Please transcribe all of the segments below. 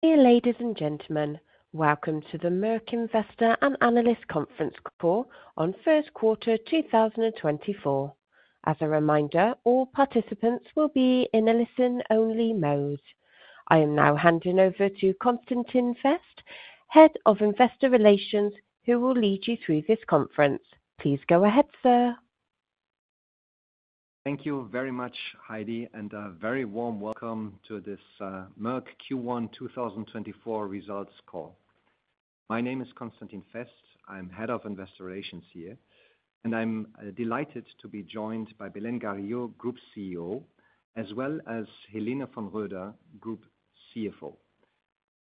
Dear ladies and gentlemen, welcome to the Merck Investor and Analyst conference call on first quarter 2024. As a reminder, all participants will be in a listen-only mode. I am now handing over to Constantin Fest, head of investor relations, who will lead you through this conference. Please go ahead, sir. Thank you very much, Heidi, and a very warm welcome to this Merck Q1 2024 results call. My name is Constantin Fest. I'm head of investor relations here, and I'm delighted to be joined by Belén Garijo, Group CEO, as well as Helene von Roeder, Group CFO.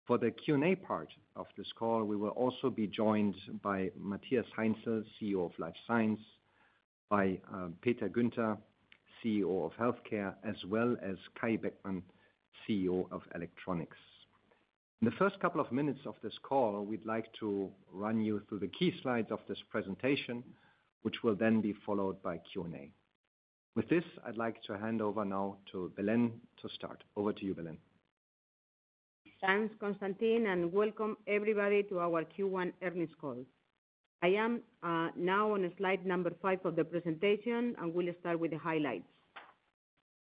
For the Q&A part of this call, we will also be joined by Matthias Heinzel, CEO of Life Science, by Peter Guenter, CEO of Healthcare, as well as Kai Beckmann, CEO of Electronics. In the first couple of minutes of this call, we'd like to run you through the key slides of this presentation, which will then be followed by Q&A. With this, I'd like to hand over now to Belén to start. Over to you, Belén. Thanks, Constantin, and welcome everybody to our Q1 earnings call. I am now on slide number 5 of the presentation, and we'll start with the highlights.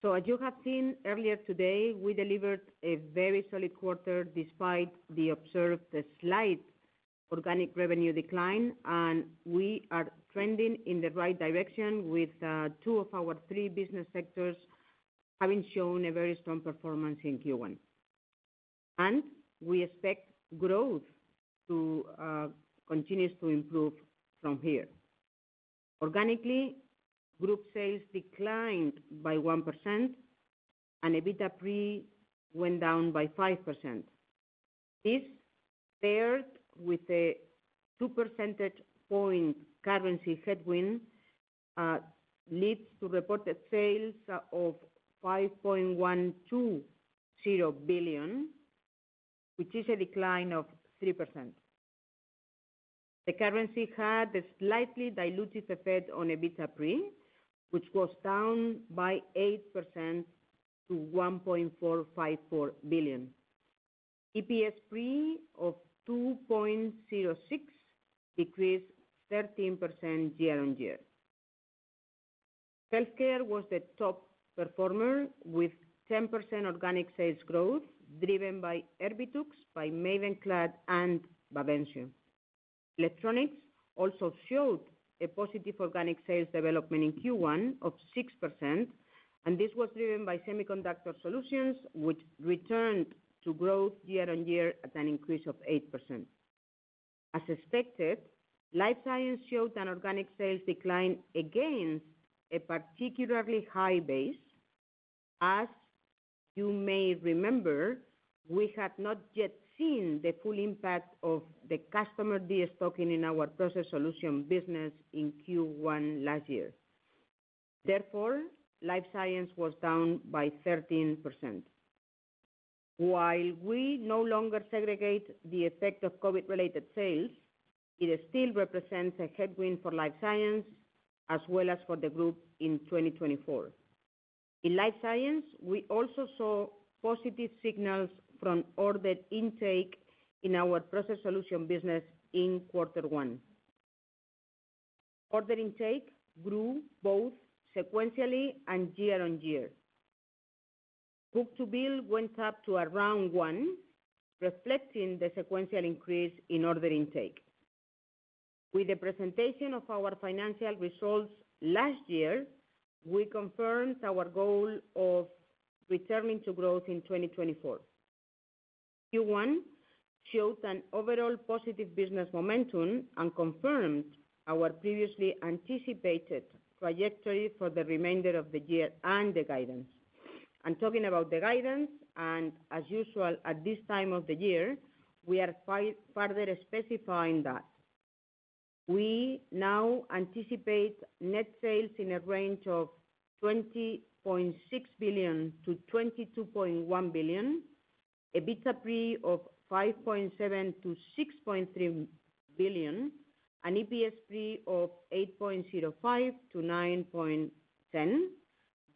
So, as you have seen earlier today, we delivered a very solid quarter despite the observed slight organic revenue decline, and we are trending in the right direction with two of our three business sectors having shown a very strong performance in Q1. And we expect growth to continue to improve from here. Organically, group sales declined by 1%, and EBITDA pre went down by 5%. This, paired with a 2%-point currency headwind, leads to reported sales of 5.120 billion, which is a decline of 3%. The currency had a slightly diluted effect on EBITDA pre, which was down by 8% to 1.454 billion. EPS pre of 2.06 decreased 13% year-on-year. Healthcare was the top performer with 10% organic sales growth driven by Erbitux, by Mavenclad, and Bavencio. Electronics also showed a positive organic sales development in Q1 of 6%, and this was driven by Semiconductor Solutions, which returned to growth year-on-year at an increase of 8%. As expected, Life Science showed an organic sales decline against a particularly high base. As you may remember, we had not yet seen the full impact of the customer de-stocking in our Process Solutions business in Q1 last year. Therefore, Life Science was down by 13%. While we no longer segregate the effect of COVID-related sales, it still represents a headwind for Life Science as well as for the group in 2024. In Life Science, we also saw positive signals from order intake in our Process Solutions business in quarter one. Order intake grew both sequentially and year-on-year. Book-to-bill went up to around 1, reflecting the sequential increase in order intake. With the presentation of our financial results last year, we confirmed our goal of returning to growth in 2024. Q1 showed an overall positive business momentum and confirmed our previously anticipated trajectory for the remainder of the year and the guidance. Talking about the guidance, and as usual at this time of the year, we are farther specifying that. We now anticipate net sales in a range of 20.6 billion-22.1 billion, EBITDA pre of 5.7 billion-6.3 billion, and EPS pre of 8.05-9.10,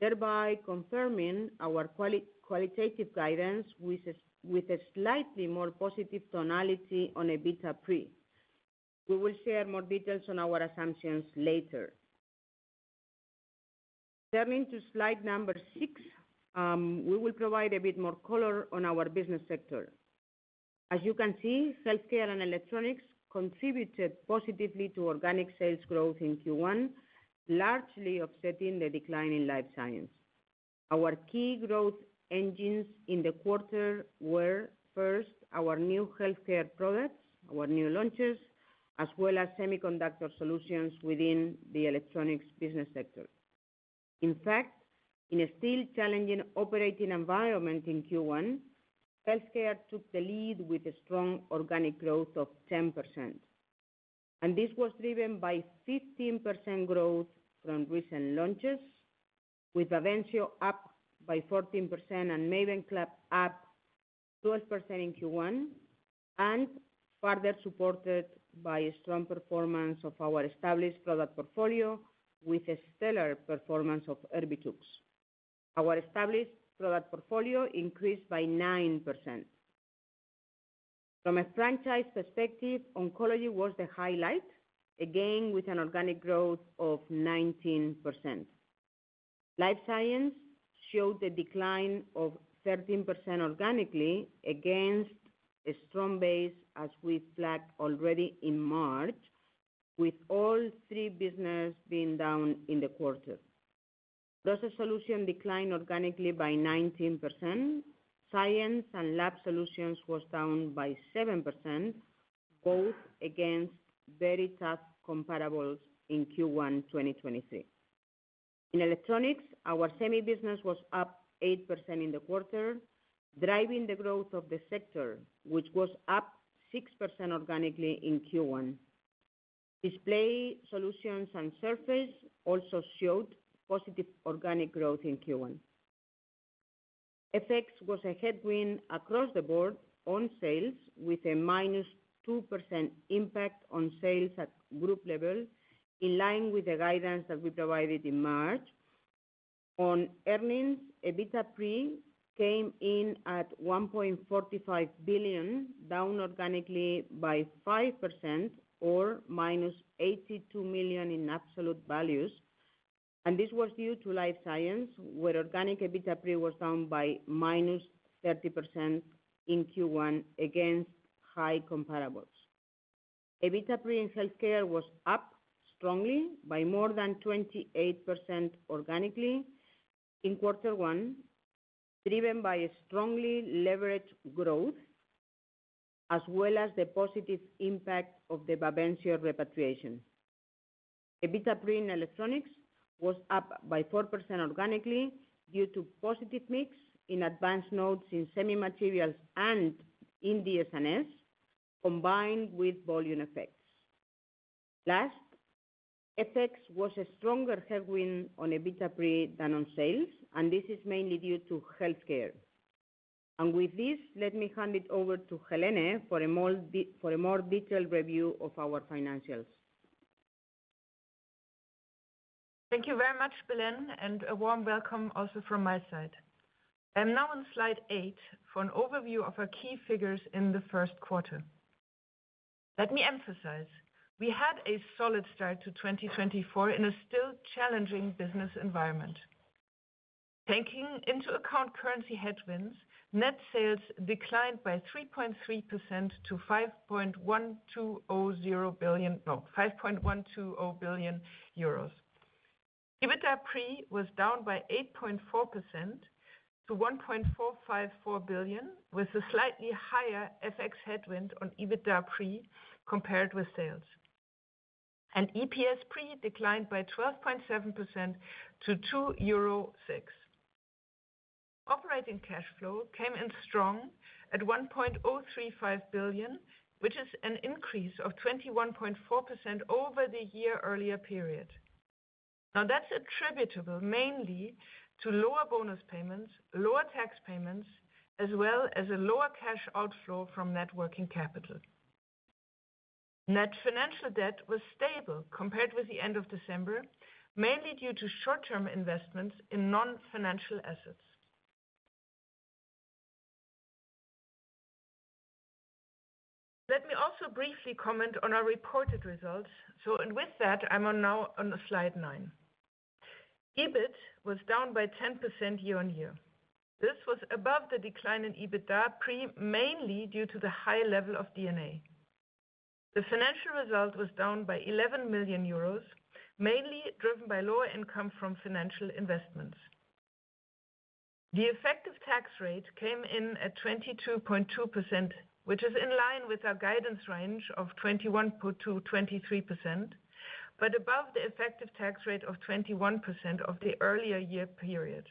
thereby confirming our qualitative guidance with a slightly more positive tonality on EBITDA pre. We will share more details on our assumptions later. Turning to slide number 6, we will provide a bit more color on our business sector. As you can see, Healthcare and Electronics contributed positively to organic sales growth in Q1, largely offsetting the decline in Life Science. Our key growth engines in the quarter were, first, our new Healthcare products, our new launchers, as well as Semiconductor Solutions within the Electronics business sector. In fact, in a still challenging operating environment in Q1, Healthcare took the lead with a strong organic growth of 10%. And this was driven by 15% growth from recent launches, with Bavencio up by 14% and Mavenclad up 12% in Q1, and further supported by a strong performance of our established product portfolio with a stellar performance of Erbitux. Our established product portfolio increased by 9%. From a franchise perspective, oncology was the highlight, again with an organic growth of 19%. Life Science showed a decline of 13% organically against a strong base as we flagged already in March, with all three businesses being down in the quarter. Process Solutions declined organically by 19%, Science and Lab Solutions was down by 7%, both against very tough comparables in Q1 2023. In Electronics, our semi-business was up 8% in the quarter, driving the growth of the sector, which was up 6% organically in Q1. Display Solutions and Surface also showed positive organic growth in Q1. FX was a headwind across the board on sales, with a minus 2% impact on sales at group level, in line with the guidance that we provided in March. On earnings, EBITDA pre came in at 1.45 billion, down organically by 5%, or -82 million in absolute values, and this was due to Life Science, where organic EBITDA pre was down by -30% in Q1 against high comparables. EBITDA pre in Healthcare was up strongly by more than 28% organically in Q1, driven by a strongly leveraged growth as well as the positive impact of the Bavencio repatriation. EBITDA pre in Electronics was up by 4% organically due to positive mix in advanced nodes in semi-materials and in DS&S, combined with volume effects. Last, FX was a stronger headwind on EBITDA pre than on sales, and this is mainly due to Healthcare. With this, let me hand it over to Helene for a more detailed review of our financials. Thank you very much, Belén, and a warm welcome also from my side. I am now on slide eight for an overview of our key figures in the first quarter. Let me emphasize: we had a solid start to 2024 in a still challenging business environment. Taking into account currency headwinds, net sales declined by 3.3% to 5.120 billion. EBITDA pre was down by 8.4% to 1.454 billion, with a slightly higher FX headwind on EBITDA pre compared with sales. EPS pre declined by 12.7% to 2.06 euro. Operating cash flow came in strong at 1.035 billion, which is an increase of 21.4% over the year earlier period. Now, that's attributable mainly to lower bonus payments, lower tax payments, as well as a lower cash outflow from net working capital. Net financial debt was stable compared with the end of December, mainly due to short-term investments in non-financial assets. Let me also briefly comment on our reported results. With that, I'm now on slide 9. EBIT was down by 10% year-over-year. This was above the decline in EBITDA pre, mainly due to the high level of D&A. The financial result was down by 11 million euros, mainly driven by lower income from financial investments. The effective tax rate came in at 22.2%, which is in line with our guidance range of 21.2%-23%, but above the effective tax rate of 21% of the earlier year period.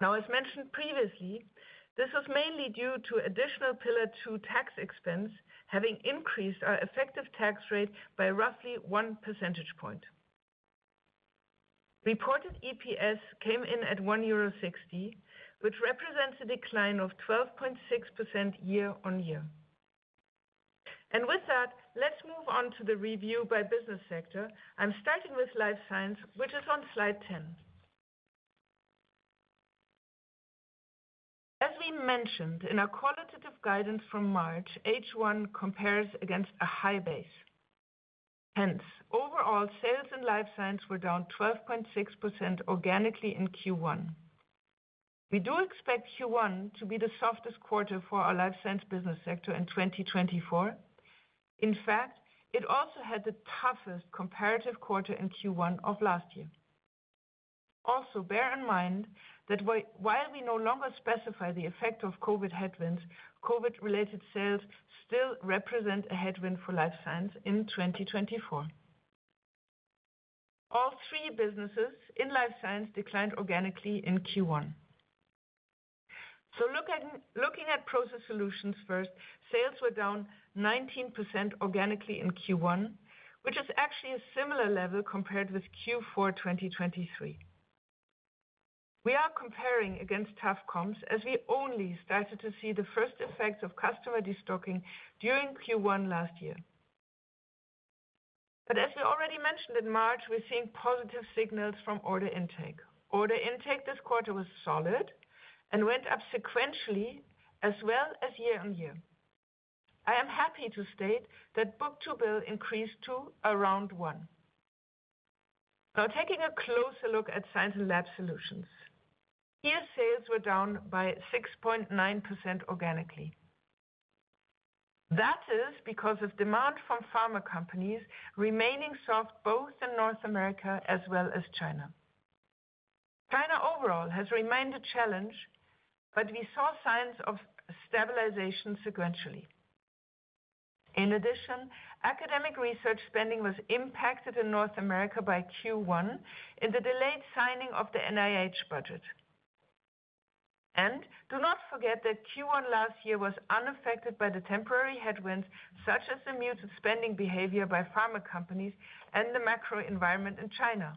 Now, as mentioned previously, this was mainly due to additional Pillar Two tax expense having increased our effective tax rate by roughly one percentage point. Reported EPS came in at 1.60 euro, which represents a decline of 12.6% year-over-year. With that, let's move on to the review by business sector. I'm starting with Life Science, which is on slide 10. As we mentioned in our qualitative guidance from March, H1 compares against a high base. Hence, overall sales in Life Science were down 12.6% organically in Q1. We do expect Q1 to be the softest quarter for our Life Science business sector in 2024. In fact, it also had the toughest comparative quarter in Q1 of last year. Also, bear in mind that while we no longer specify the effect of COVID headwinds, COVID-related sales still represent a headwind for Life Science in 2024. All three businesses in Life Science declined organically in Q1. So, looking at Process Solutions first, sales were down 19% organically in Q1, which is actually a similar level compared with Q4 2023. We are comparing against tough comps as we only started to see the first effects of customer de-stocking during Q1 last year. As we already mentioned in March, we're seeing positive signals from order intake. Order intake this quarter was solid and went up sequentially as well as year on year. I am happy to state that book-to-bill increased to around 1. Now, taking a closer look at Science and Lab Solutions, here sales were down by 6.9% organically. That is because of demand from pharma companies remaining soft both in North America as well as China. China overall has remained a challenge, but we saw signs of stabilization sequentially. In addition, academic research spending was impacted in North America by Q1 in the delayed signing of the NIH budget. Do not forget that Q1 last year was unaffected by the temporary headwinds such as the muted spending behavior by pharma companies and the macro environment in China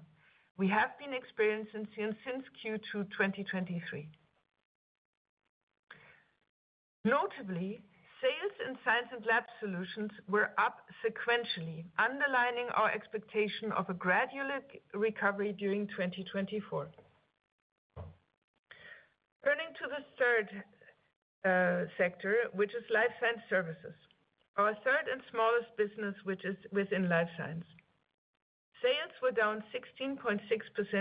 we have been experiencing since Q2 2023. Notably, sales in Science and Lab Solutions were up sequentially, underlining our expectation of a gradual recovery during 2024. Turning to the third sector, which is Life Science Services, our third and smallest business, which is within Life Science, sales were down 16.6%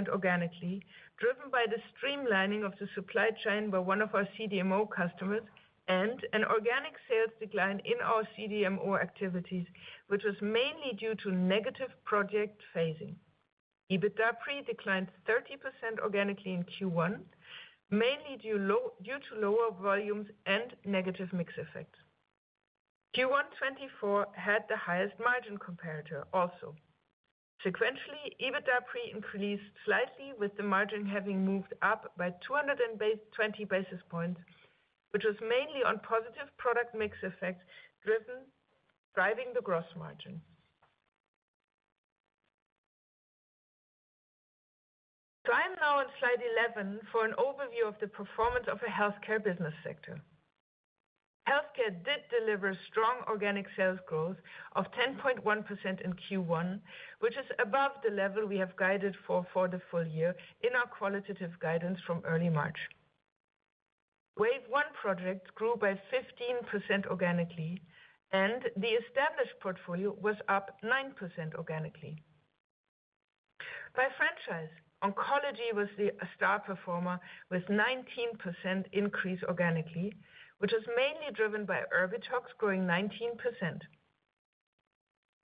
organically, driven by the streamlining of the supply chain by one of our CDMO customers and an organic sales decline in our CDMO activities, which was mainly due to negative project phasing. EBITDA pre declined 30% organically in Q1, mainly due to lower volumes and negative mix effect. Q1 2024 had the highest margin comparator also. Sequentially, EBITDA pre increased slightly, with the margin having moved up by 220 basis points, which was mainly on positive product mix effects driving the gross margin. So, I am now on slide 11 for an overview of the performance of the Healthcare business sector. Healthcare did deliver strong organic sales growth of 10.1% in Q1, which is above the level we have guided for for the full year in our qualitative guidance from early March. Wave One projects grew by 15% organically, and the established portfolio was up 9% organically. By franchise, oncology was the star performer with a 19% increase organically, which was mainly driven by Erbitux growing 19%.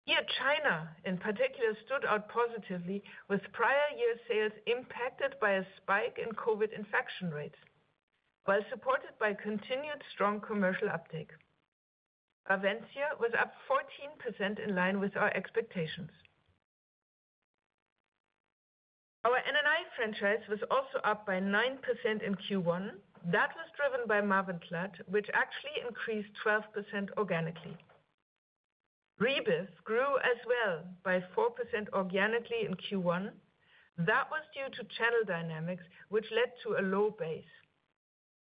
Here, China in particular stood out positively with prior year sales impacted by a spike in COVID infection rates while supported by continued strong commercial uptake. Bavencio was up 14% in line with our expectations. Our NNI franchise was also up by 9% in Q1. That was driven by Mavenclad, which actually increased 12% organically. Rebif grew as well by 4% organically in Q1. That was due to channel dynamics, which led to a low base.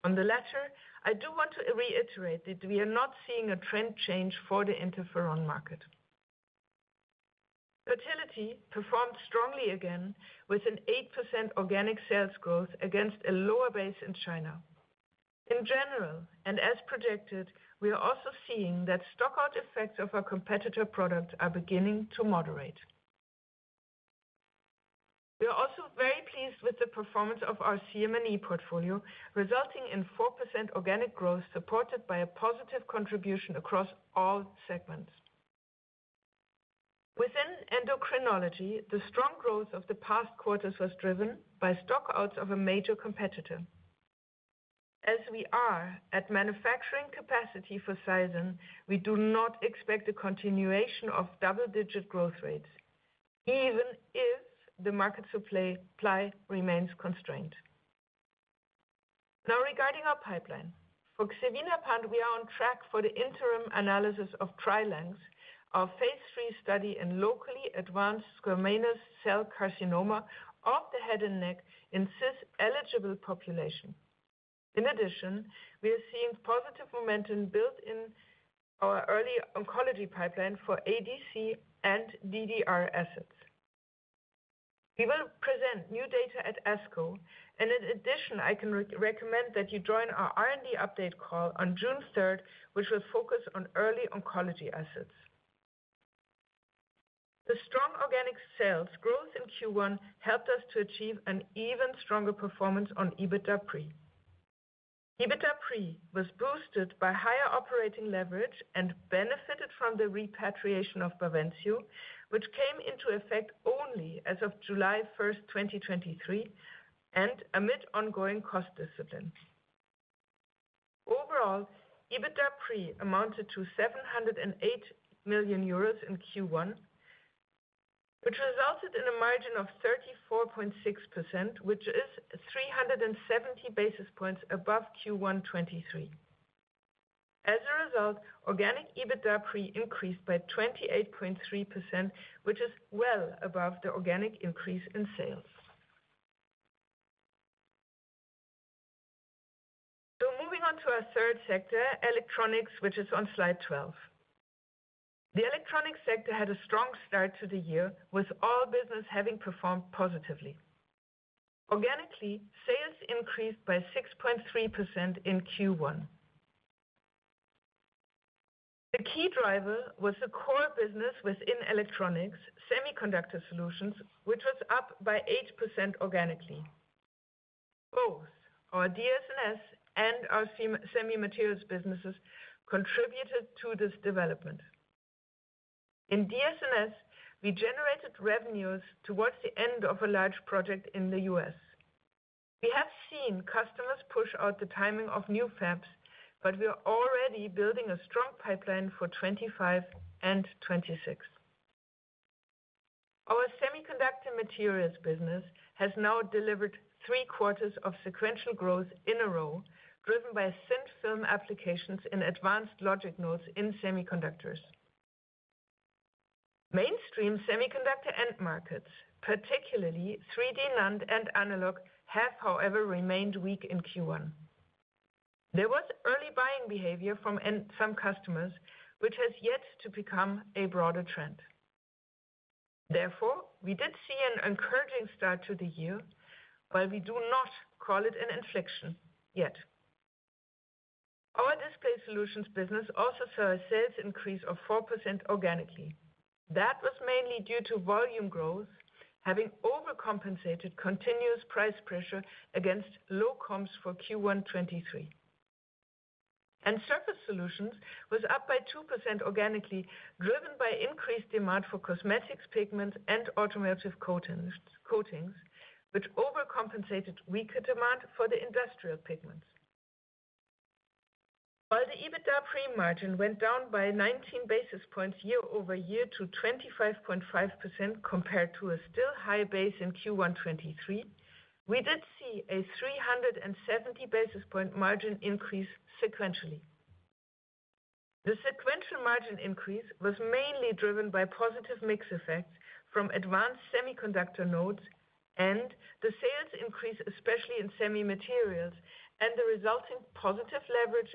On the latter, I do want to reiterate that we are not seeing a trend change for the interferon market. Fertility performed strongly again with an 8% organic sales growth against a lower base in China. In general, and as projected, we are also seeing that stockout effects of our competitor products are beginning to moderate. We are also very pleased with the performance of our CM&E portfolio, resulting in 4% organic growth supported by a positive contribution across all segments. Within endocrinology, the strong growth of the past quarters was driven by stockouts of a major competitor. As we are at manufacturing capacity for Saizen, we do not expect a continuation of double-digit growth rates, even if the market supply remains constrained. Now, regarding our pipeline, for Xevinapant, we are on track for the interim analysis of TrilynX, our phase 3 study in locally advanced squamous cell carcinoma of the head and neck in cisplatin-eligible population. In addition, we are seeing positive momentum built in our early oncology pipeline for ADC and DDR assets. We will present new data at ASCO. And in addition, I can recommend that you join our R&D update call on June 3rd, which will focus on early oncology assets. The strong organic sales growth in Q1 helped us to achieve an even stronger performance on EBITDA pre. EBITDA pre was boosted by higher operating leverage and benefited from the repatriation of Bavencio, which came into effect only as of July 1st, 2023, and amid ongoing cost discipline. Overall, EBITDA pre amounted to 708 million euros in Q1, which resulted in a margin of 34.6%, which is 370 basis points above Q1 2023. As a result, organic EBITDA pre increased by 28.3%, which is well above the organic increase in sales. So, moving on to our third sector, Electronics, which is on slide 12. The Electronics sector had a strong start to the year, with all businesses having performed positively. Organically, sales increased by 6.3% in Q1. The key driver was the core business within Electronics, Semiconductor Solutions, which was up by 8% organically. Both our DS&S and our semi-materials businesses contributed to this development. In DS&S, we generated revenues towards the end of a large project in the US. We have seen customers push out the timing of new fabs, but we are already building a strong pipeline for 2025 and 2026. Our semiconductor materials business has now delivered 3 quarters of sequential growth in a row, driven by thin-film applications in advanced logic nodes in semiconductors. Mainstream semiconductor end markets, particularly 3D NAND and analog, have, however, remained weak in Q1. There was early buying behavior from some customers, which has yet to become a broader trend. Therefore, we did see an encouraging start to the year, while we do not call it an inflection yet. Our Display Solutions business also saw a sales increase of 4% organically. That was mainly due to volume growth, having overcompensated continuous price pressure against low comps for Q1 2023. Surface Solutions were up by 2% organically, driven by increased demand for cosmetics, pigments, and automotive coatings, which overcompensated weaker demand for the industrial pigments. While the EBITDA pre-margin went down by 19 basis points year over year to 25.5% compared to a still high base in Q1 2023, we did see a 370 basis points margin increase sequentially. The sequential margin increase was mainly driven by positive mix effects from advanced semiconductor nodes and the sales increase, especially in semi-materials, and the resulting positive leverage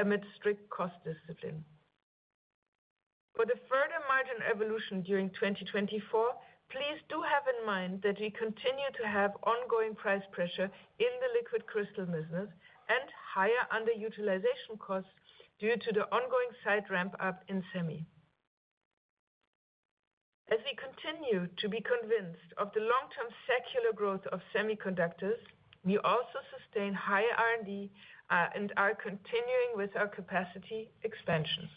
amid strict cost discipline. For the further margin evolution during 2024, please do have in mind that we continue to have ongoing price pressure in the liquid crystal business and higher underutilization costs due to the ongoing site ramp-up in semi. As we continue to be convinced of the long-term secular growth of semiconductors, we also sustain higher R&D and are continuing with our capacity expansions.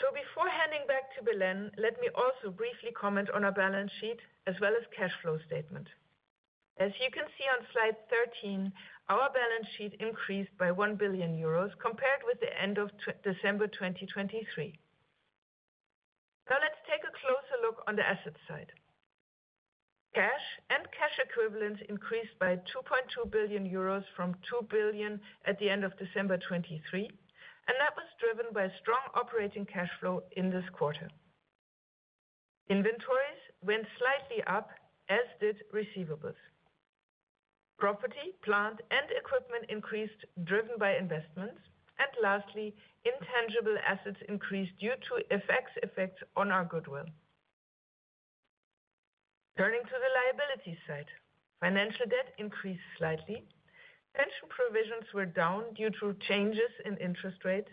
So, before handing back to Belén, let me also briefly comment on our balance sheet as well as cash flow statement. As you can see on slide 13, our balance sheet increased by 1 billion euros compared with the end of December 2023. Now, let's take a closer look on the asset side. Cash and cash equivalents increased by 2.2 billion euros from 2 billion at the end of December 2023, and that was driven by strong operating cash flow in this quarter. Inventories went slightly up, as did receivables. Property, plant, and equipment increased, driven by investments. Lastly, intangible assets increased due to FX effects on our goodwill. Turning to the liability side, financial debt increased slightly. Pension provisions were down due to changes in interest rates.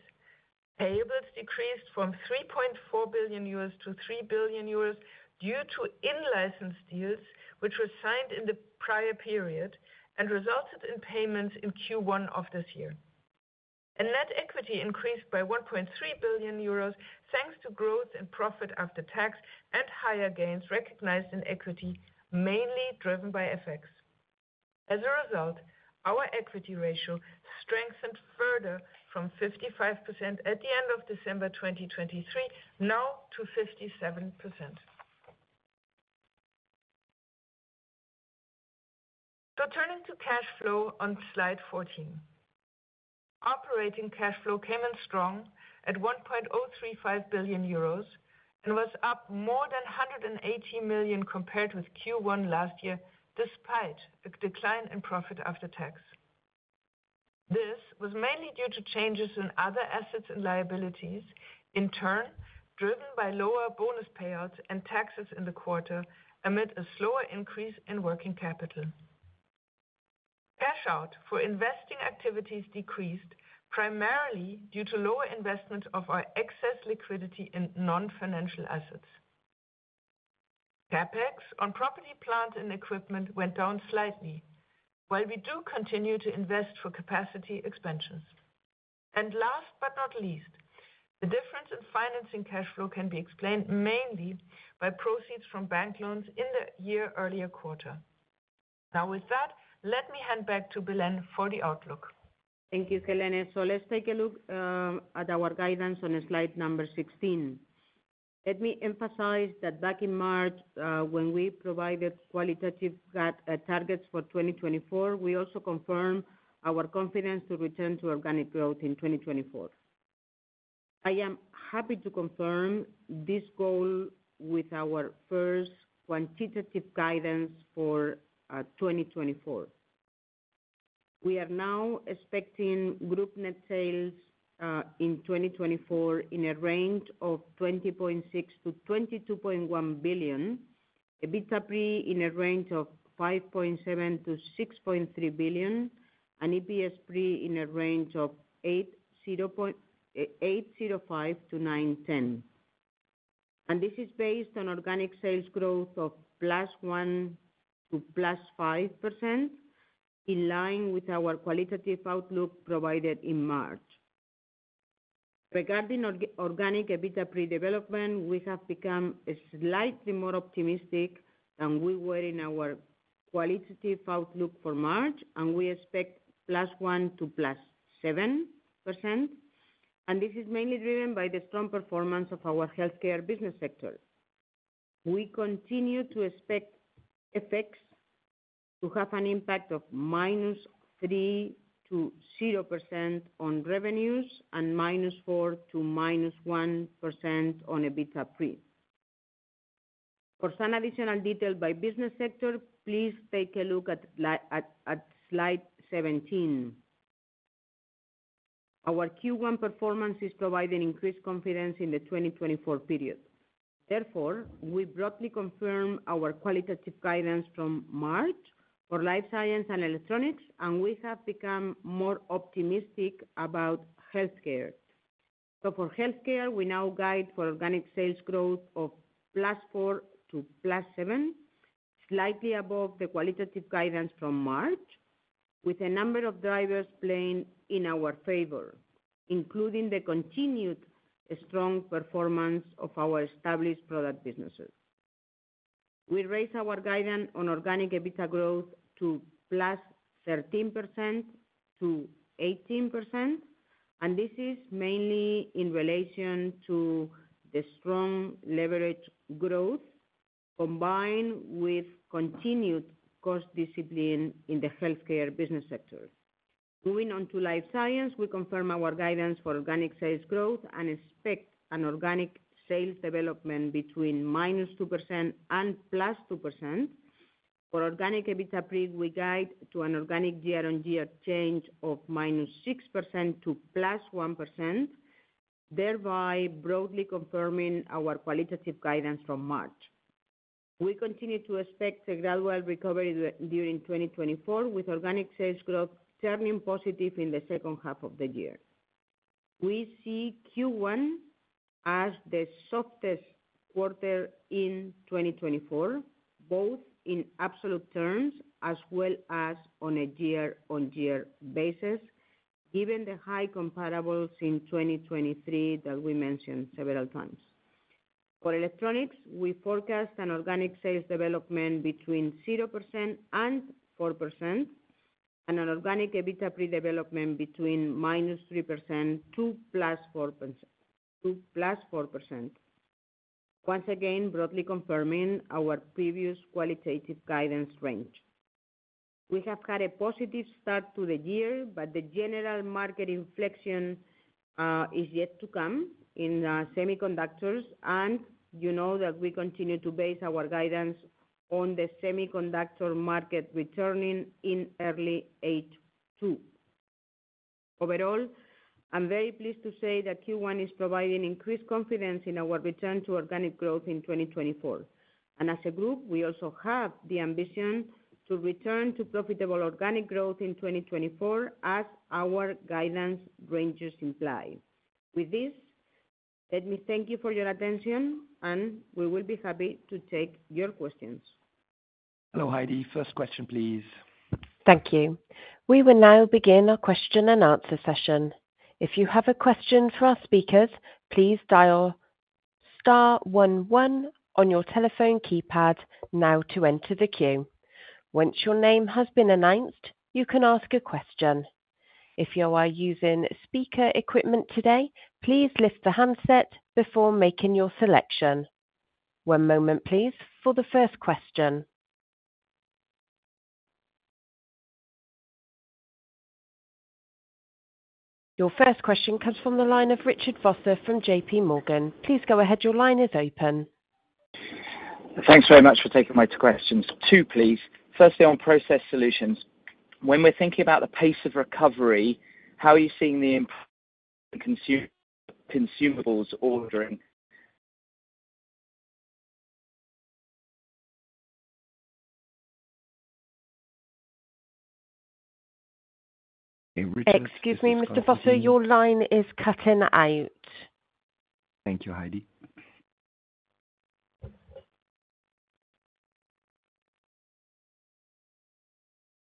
Payables decreased from 3.4 billion euros to 3 billion euros due to in-license deals, which were signed in the prior period and resulted in payments in Q1 of this year. Net equity increased by 1.3 billion euros thanks to growth in profit after tax and higher gains recognized in equity, mainly driven by FX. As a result, our equity ratio strengthened further from 55% at the end of December 2023 now to 57%. So, turning to cash flow on slide 14. Operating cash flow came in strong at 1.035 billion euros and was up more than 180 million compared with Q1 last year despite a decline in profit after tax. This was mainly due to changes in other assets and liabilities, in turn, driven by lower bonus payouts and taxes in the quarter amid a slower increase in working capital. Cash out for investing activities decreased primarily due to lower investment of our excess liquidity in non-financial assets. CapEx on property, plant, and equipment went down slightly, while we do continue to invest for capacity expansions. Last but not least, the difference in financing cash flow can be explained mainly by proceeds from bank loans in the year earlier quarter. Now, with that, let me hand back to Belén for the outlook. Thank you, Helene. So, let's take a look at our guidance on slide number 16. Let me emphasize that back in March, when we provided qualitative targets for 2024, we also confirmed our confidence to return to organic growth in 2024. I am happy to confirm this goal with our first quantitative guidance for 2024. We are now expecting group net sales in 2024 in a range of 20.6 billion-22.1 billion, EBITDA pre in a range of 5.7 billion-6.3 billion, and EPS pre in a range of 8.05-9.10. And this is based on organic sales growth of +1% to +5% in line with our qualitative outlook provided in March. Regarding organic EBITDA pre-development, we have become slightly more optimistic than we were in our qualitative outlook for March, and we expect +1% to +7%. This is mainly driven by the strong performance of our Healthcare business sector. We continue to expect FX to have an impact of -3%-0% on revenues and -4% to -1% on EBITDA pre. For some additional detail by business sector, please take a look at slide 17. Our Q1 performance is providing increased confidence in the 2024 period. Therefore, we broadly confirm our qualitative guidance from March for Life Science and Electronics, and we have become more optimistic about Healthcare. So, for Healthcare, we now guide for organic sales growth of +4% to +7%, slightly above the qualitative guidance from March, with a number of drivers playing in our favor, including the continued strong performance of our established product businesses. We raise our guidance on organic EBITDA growth to +13%-18%, and this is mainly in relation to the strong leverage growth combined with continued cost discipline in the Healthcare business sector. Moving on to Life Science, we confirm our guidance for organic sales growth and expect an organic sales development between -2% and +2%. For organic EBITDA pre, we guide to an organic year-on-year change of -6% to +1%, thereby broadly confirming our qualitative guidance from March. We continue to expect a gradual recovery during 2024 with organic sales growth turning positive in the second half of the year. We see Q1 as the softest quarter in 2024, both in absolute terms as well as on a year-over-year basis, given the high comparables in 2023 that we mentioned several times. For Electronics, we forecast an organic sales development between 0% and 4% and an organic EBITDA pre-development between -3% to +4%. Once again, broadly confirming our previous qualitative guidance range. We have had a positive start to the year, but the general market inflection is yet to come in semiconductors, and you know that we continue to base our guidance on the semiconductor market returning in early 2024. Overall, I'm very pleased to say that Q1 is providing increased confidence in our return to organic growth in 2024. And as a group, we also have the ambition to return to profitable organic growth in 2024 as our guidance ranges imply. With this, let me thank you for your attention, and we will be happy to take your questions. Hello, Heidi. First question, please. Thank you. We will now begin our question and answer session. If you have a question for our speakers, please dial *11 on your telephone keypad now to enter the queue. Once your name has been announced, you can ask a question. If you are using speaker equipment today, please lift the handset before making your selection. One moment, please, for the first question. Your first question comes from the line of Richard Vosser from JP Morgan. Please go ahead. Your line is open. Thanks very much for taking my two questions. Too, please. Firstly, on Process Solutions. When we're thinking about the pace of recovery, how are you seeing the consumables ordering? Richard. Excuse me, Mr. Vosser, your line is cutting out. Thank you, Heidi.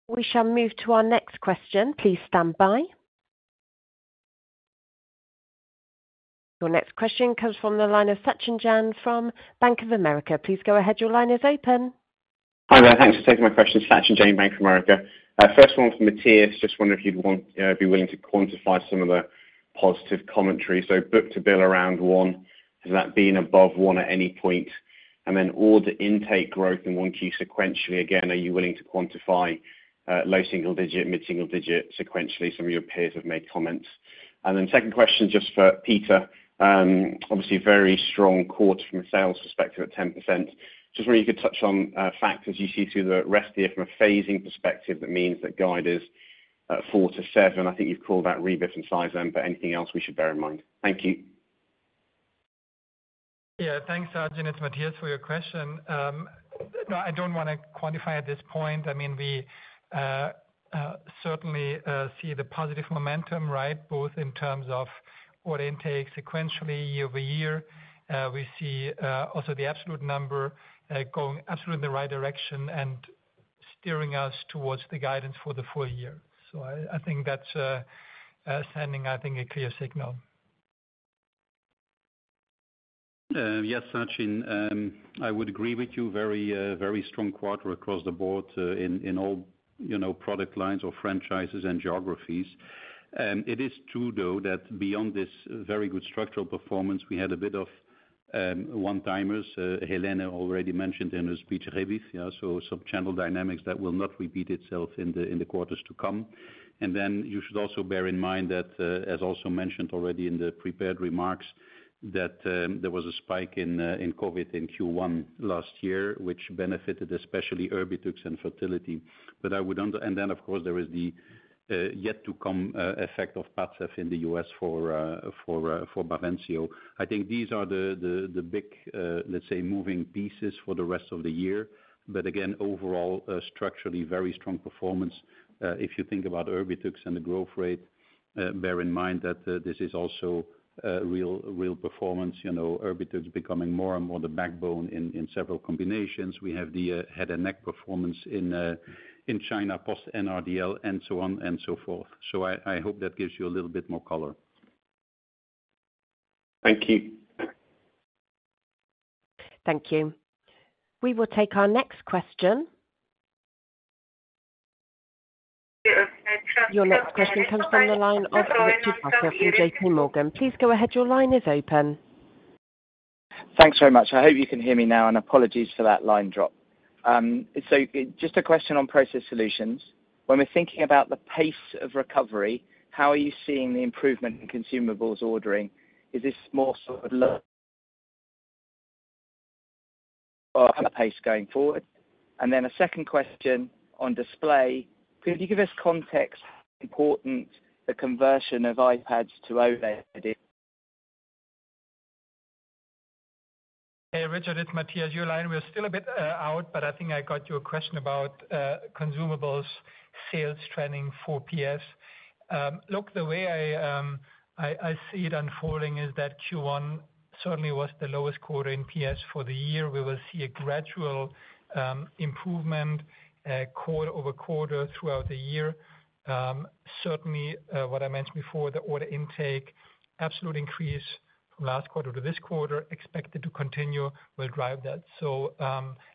We shall move to our next question. Please stand by. Your next question comes from the line of Sachin Jain from Bank of America. Please go ahead. Your line is open. Hi there. Thanks for taking my question. Sachin Jain, Bank of America. First one from Matthias. Just wonder if you'd be willing to quantify some of the positive commentary. So, book-to-bill around 1. Has that been above 1 at any point? And then order intake growth in Q1 sequentially. Again, are you willing to quantify low single digit, mid-single digit sequentially? Some of your peers have made comments. And then second question, just for Peter. Obviously, very strong quarter from a sales perspective at 10%. Just wonder if you could touch on factors you see through the rest of the year from a phasing perspective. That means that guide is 4%-7%. I think you've called that Rebif and Saizen then, but anything else we should bear in mind? Thank you. Yeah. Thanks, Jennifer Matthias, for your question. No, I don't want to quantify at this point. I mean, we certainly see the positive momentum, right, both in terms of order intake, sequentially year over year. We see also the absolute number going, absolutely, in the right direction and steering us towards the guidance for the full year. So I think that's sending, I think, a clear signal. Yes, Sachin. I would agree with you. Very, very strong quarter across the board in all product lines or franchises and geographies. It is true, though, that beyond this very good structural performance, we had a bit of one-timers. Helene already mentioned in her speech Rebif, yeah? So some channel dynamics that will not repeat itself in the quarters to come. And then you should also bear in mind that, as also mentioned already in the prepared remarks, that there was a spike in COVID in Q1 last year, which benefited especially Erbitux and fertility. But I would understand and then, of course, there is the yet-to-come effect of Padcev in the U.S. for Bavencio. I think these are the big, let's say, moving pieces for the rest of the year. But again, overall, structurally, very strong performance. If you think about Erbitux and the growth rate, bear in mind that this is also real performance. Erbitux becoming more and more the backbone in several combinations. We have the head-and-neck performance in China post-NRDL and so on and so forth. So I hope that gives you a little bit more color. Thank you. Thank you. We will take our next question. Your next question comes from the line of Richard Vosser from JPMorgan. Please go ahead. Your line is open. Thanks very much. I hope you can hear me now, and apologies for that line drop. So just a question on Process Solutions. When we're thinking about the pace of recovery, how are you seeing the improvement in consumables ordering? Is this more sort of low or pace going forward? And then a second question on display. Could you give us context how important the conversion of iPads to OLED is? Hey, Richard. It's Matthias. Your line, we're still a bit out, but I think I got your question about consumables sales trending for PS. Look, the way I see it unfolding is that Q1 certainly was the lowest quarter in PS for the year. We will see a gradual improvement quarter-over-quarter throughout the year. Certainly, what I mentioned before, the order intake, absolute increase from last quarter to this quarter, expected to continue, will drive that. So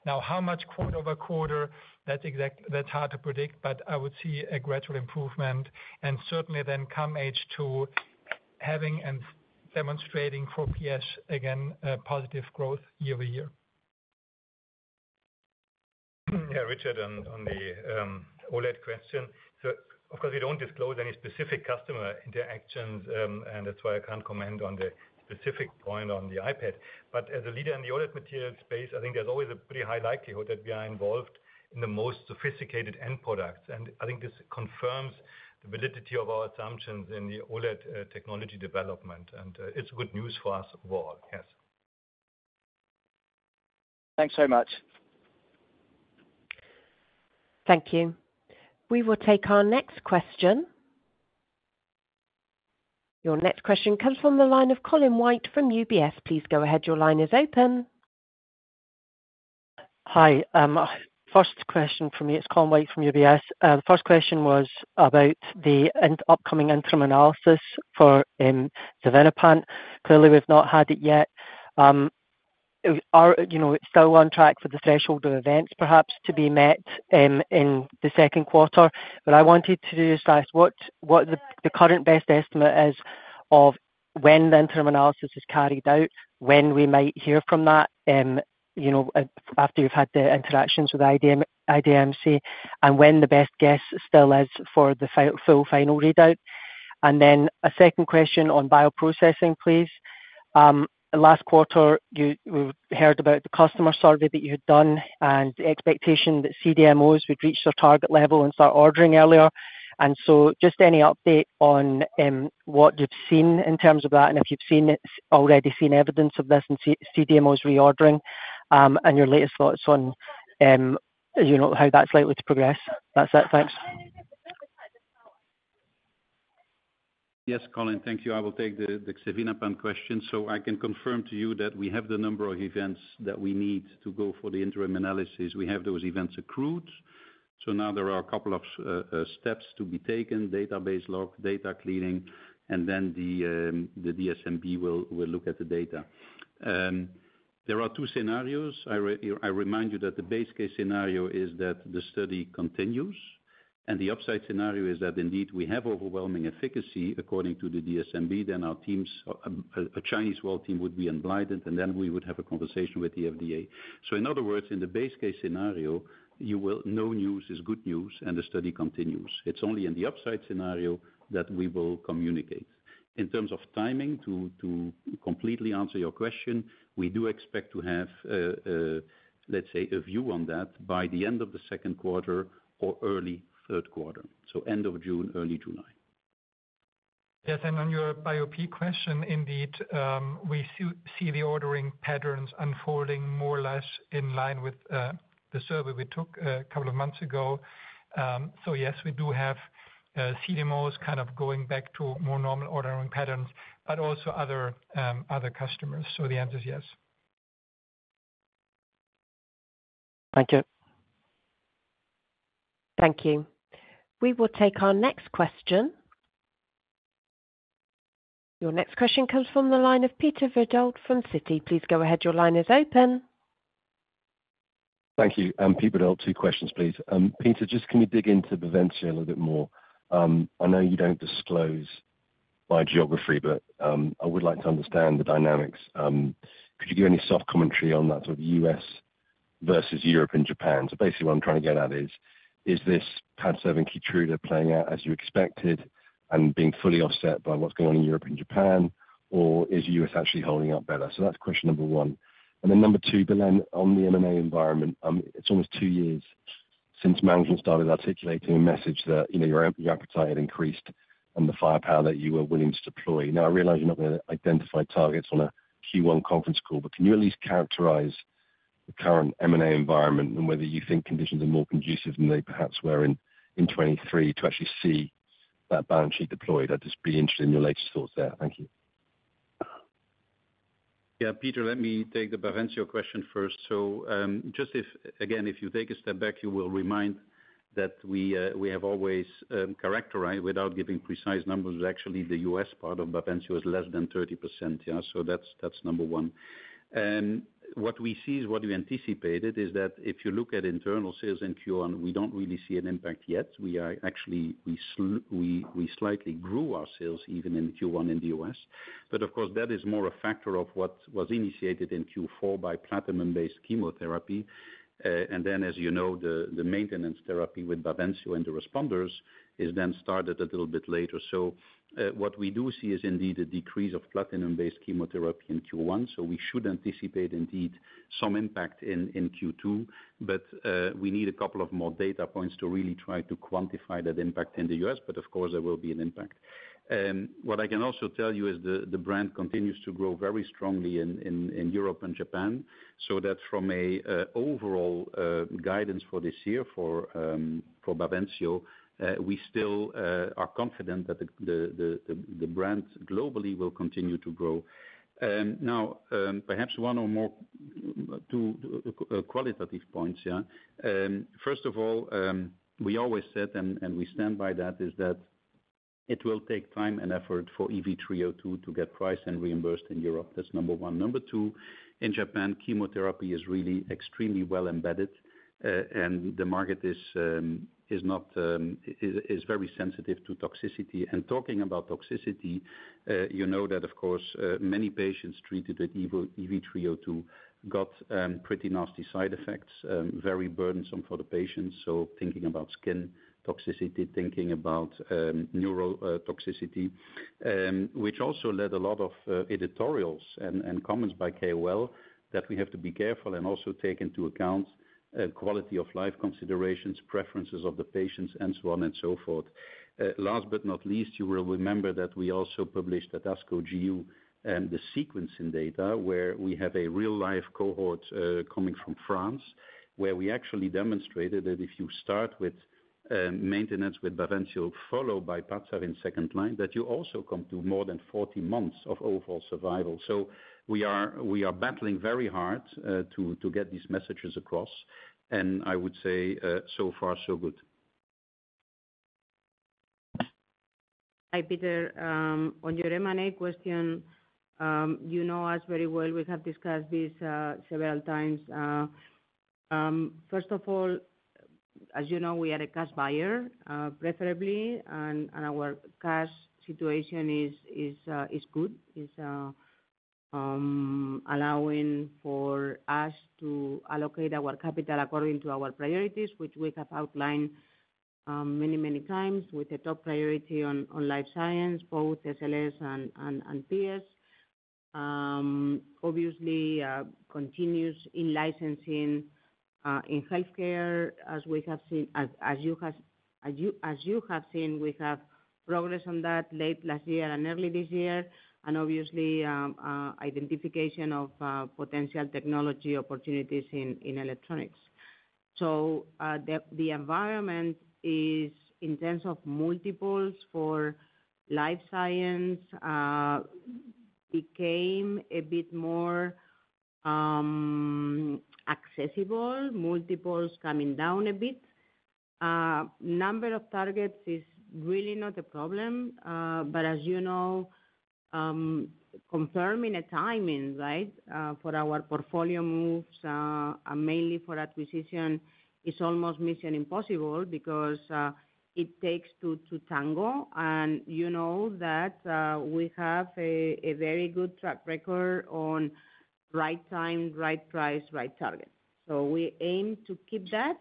now, how much quarter-over-quarter, that's hard to predict, but I would see a gradual improvement and certainly then come H2 having and demonstrating for PS, again, positive growth year-over-year. Yeah, Richard, on the OLED question. So, of course, we don't disclose any specific customer interactions, and that's why I can't comment on the specific point on the iPad. But as a leader in the OLED materials space, I think there's always a pretty high likelihood that we are involved in the most sophisticated end products. And I think this confirms the validity of our assumptions in the OLED technology development. And it's good news for us all, yes. Thanks very much. Thank you. We will take our next question. Your next question comes from the line of Colin White from UBS. Please go ahead. Your line is open. Hi. First question from me. It's Colin White from UBS. The first question was about the upcoming interim analysis for Xevinapant. Clearly, we've not had it yet. It's still on track for the threshold of events, perhaps, to be met in the second quarter. What I wanted to do is ask what the current best estimate is of when the interim analysis is carried out, when we might hear from that after you've had the interactions with IDMC, and when the best guess still is for the full final readout. And then a second question on bioprocessing, please. Last quarter, we heard about the customer survey that you had done and the expectation that CDMOs would reach their target level and start ordering earlier. And so just any update on what you've seen in terms of that and if you've already seen evidence of this and CDMOs reordering and your latest thoughts on how that's likely to progress? That's it. Thanks. Yes, Colin. Thank you. I will take the Xevinapant question. So I can confirm to you that we have the number of events that we need to go for the interim analysis. We have those events accrued. So now there are a couple of steps to be taken: database lock, data cleaning, and then the DSMB will look at the data. There are two scenarios. I remind you that the base case scenario is that the study continues. And the upside scenario is that, indeed, we have overwhelming efficacy according to the DSMB. Then our teams, a cross-world team, would be unblinded, and then we would have a conversation with the FDA. So, in other words, in the base case scenario, no news is good news, and the study continues. It's only in the upside scenario that we will communicate. In terms of timing, to completely answer your question, we do expect to have, let's say, a view on that by the end of the second quarter or early third quarter. So end of June, early July. Yes. And on your BIOP question, indeed, we see the ordering patterns unfolding more or less in line with the survey we took a couple of months ago. So yes, we do have CDMOs kind of going back to more normal ordering patterns, but also other customers. So the answer is yes. Thank you. Thank you. We will take our next question. Your next question comes from the line of Peter Verdult from Citi. Please go ahead. Your line is open. Thank you. Peter Verdult, two questions, please. Peter, just can we dig into Bavencio a little bit more? I know you don't disclose geography, but I would like to understand the dynamics. Could you give any soft commentary on that sort of U.S. versus Europe and Japan? So basically, what I'm trying to get at is, is this Padcev and Keytruda playing out as you expected and being fully offset by what's going on in Europe and Japan, or is the U.S. actually holding up better? So that's question number one. And then number two, Belén, on the M&A environment, it's almost two years since management started articulating a message that your appetite had increased and the firepower that you were willing to deploy. Now, I realize you're not going to identify targets on a Q1 conference call, but can you at least characterize the current M&A environment and whether you think conditions are more conducive than they perhaps were in 2023 to actually see that balance sheet deployed? I'd just be interested in your latest thoughts there. Thank you. Yeah, Peter, let me take the Bavencio question first. So just if, again, if you take a step back, you will remind that we have always characterized without giving precise numbers that actually the U.S. part of Bavencio was less than 30%, yeah? So that's number one. What we see is what you anticipated is that if you look at internal sales in Q1, we don't really see an impact yet. We slightly grew our sales even in Q1 in the U.S. But, of course, that is more a factor of what was initiated in Q4 by platinum-based chemotherapy. And then, as you know, the maintenance therapy with Bavencio and the responders is then started a little bit later. So what we do see is, indeed, a decrease of platinum-based chemotherapy in Q1. So we should anticipate, indeed, some impact in Q2. But we need a couple of more data points to really try to quantify that impact in the U.S. But, of course, there will be an impact. What I can also tell you is the brand continues to grow very strongly in Europe and Japan. So that from an overall guidance for this year for Bavencio, we still are confident that the brand globally will continue to grow. Now, perhaps one or two qualitative points, yeah? First of all, we always said, and we stand by that, is that it will take time and effort for EV-302 to get priced and reimbursed in Europe. That's number one. Number two, in Japan, chemotherapy is really extremely well embedded, and the market is very sensitive to toxicity. And talking about toxicity, you know that, of course, many patients treated with EV-302 got pretty nasty side effects, very burdensome for the patients. So thinking about skin toxicity, thinking about neurotoxicity, which also led a lot of editorials and comments by KOL that we have to be careful and also take into account quality of life considerations, preferences of the patients, and so on and so forth. Last but not least, you will remember that we also published at ASCO-GU the sequencing data where we have a real-life cohort coming from France, where we actually demonstrated that if you start with maintenance with Bavencio, followed by Padcev in second line, that you also come to more than 40 months of overall survival. So we are battling very hard to get these messages across. I would say, so far, so good. Hi, Peter. On your M&A question, you know us very well. We have discussed this several times. First of all, as you know, we are a cash buyer, preferably, and our cash situation is good, is allowing for us to allocate our capital according to our priorities, which we have outlined many, many times with a top priority on life science, both SLS and PS. Obviously, continues in licensing in Healthcare, as we have seen as you have seen, we have progress on that late last year and early this year, and obviously, identification of potential technology opportunities in Electronics. So the environment is, in terms of multiples for life science, became a bit more accessible, multiples coming down a bit. Number of targets is really not a problem. But as you know, confirming a timing, right, for our portfolio moves, mainly for acquisition, is almost mission impossible because it takes two to tango. And you know that we have a very good track record on right time, right price, right target. So we aim to keep that.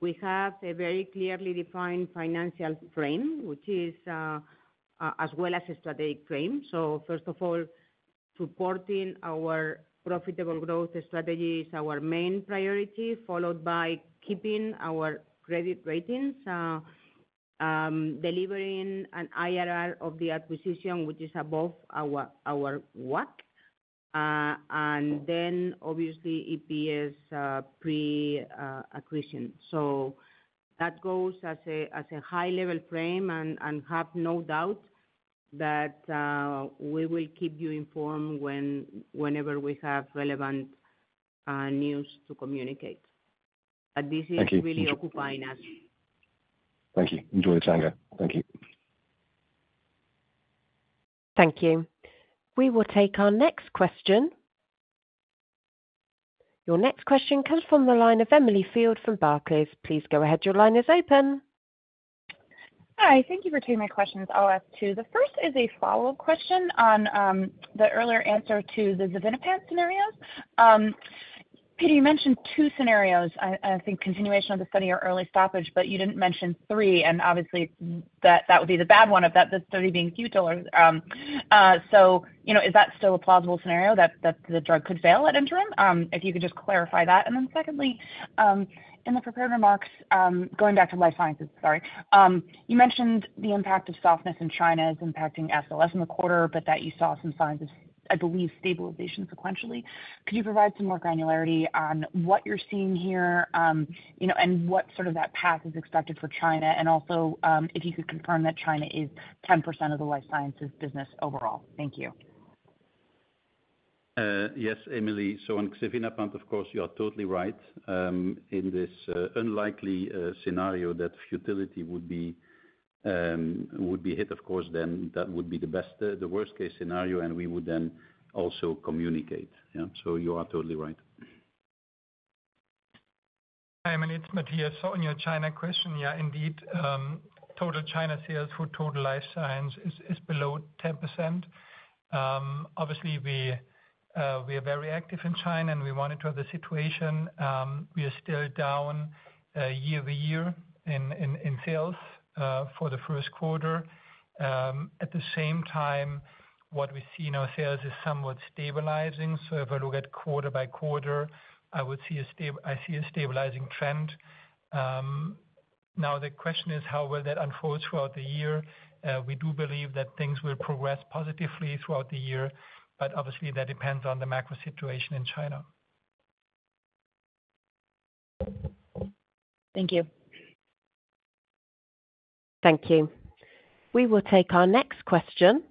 We have a very clearly defined financial frame, which is as well as a strategic frame. So first of all, supporting our profitable growth strategy is our main priority, followed by keeping our credit ratings, delivering an IRR of the acquisition, which is above our WACC, and then, obviously, EPS pre-acquisition. So that goes as a high-level frame. And have no doubt that we will keep you informed whenever we have relevant news to communicate. But this is really occupying us. Thank you. Enjoy the tango. Thank you. Thank you. We will take our next question. Your next question comes from the line of Emily Field from Barclays. Please go ahead. Your line is open. Hi. Thank you for taking my questions. I'll ask two. The first is a follow-up question on the earlier answer to the Xevinapant scenarios. Peter, you mentioned two scenarios, I think, continuation of the study or early stoppage, but you didn't mention three. And obviously, that would be the bad one of that, the study being futile. So is that still a plausible scenario, that the drug could fail at interim? If you could just clarify that. And then secondly, in the prepared remarks, going back to Life Science, sorry, you mentioned the impact of softness in China is impacting SLS in the quarter, but that you saw some signs of, I believe, stabilization sequentially. Could you provide some more granularity on what you're seeing here and what sort of that path is expected for China? Also, if you could confirm that China is 10% of the life sciences business overall? Thank you. Yes, Emily. So on Xevinapant, of course, you are totally right. In this unlikely scenario that futility would be hit, of course, then that would be the worst-case scenario, and we would then also communicate, yeah? So you are totally right. Hi, Emily. It's Matthias. So on your China question, yeah, indeed, total China sales for total life science is below 10%. Obviously, we are very active in China, and we wanted to have the situation. We are still down year-to-year in sales for the first quarter. At the same time, what we see in our sales is somewhat stabilizing. So if I look at quarter by quarter, I see a stabilizing trend. Now, the question is, how will that unfold throughout the year? We do believe that things will progress positively throughout the year. But obviously, that depends on the macro situation in China. Thank you. Thank you. We will take our next question.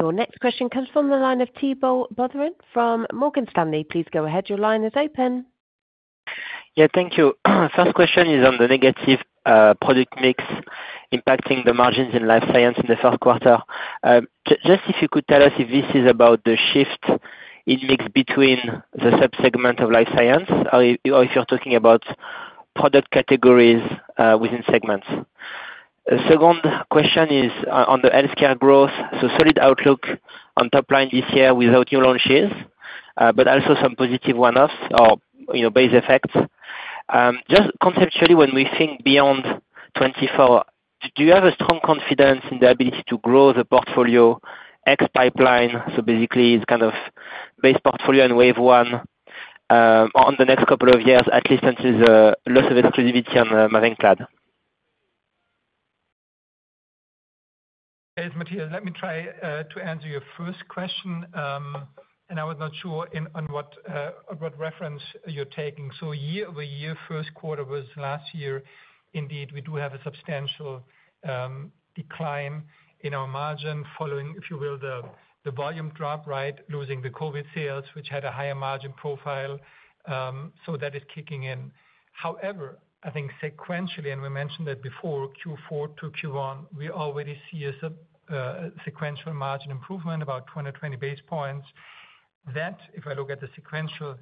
Your next question comes from the line of Thibault Boutherin from Morgan Stanley. Please go ahead. Your line is open. Yeah, thank you. First question is on the negative product mix impacting the margins in Life Science in the first quarter. Just if you could tell us if this is about the shift in mix between the subsegment of Life Science or if you're talking about product categories within segments. The second question is on the Healthcare growth, so solid outlook on top line this year without new launches but also some positive one-offs or base effects. Just conceptually, when we think beyond 2024, do you have a strong confidence in the ability to grow the portfolio and pipeline? So basically, it's kind of base portfolio and wave one on the next couple of years, at least until the loss of exclusivity on Mavenclad. Yes, Matthias. Let me try to answer your first question. I was not sure on what reference you're taking. So year-over-year, first quarter was last year, indeed, we do have a substantial decline in our margin following, if you will, the volume drop, right, losing the COVID sales, which had a higher margin profile. So that is kicking in. However, I think sequentially, and we mentioned that before, Q4-Q1, we already see a sequential margin improvement, about 2020 basis points. That, if I look at the sequential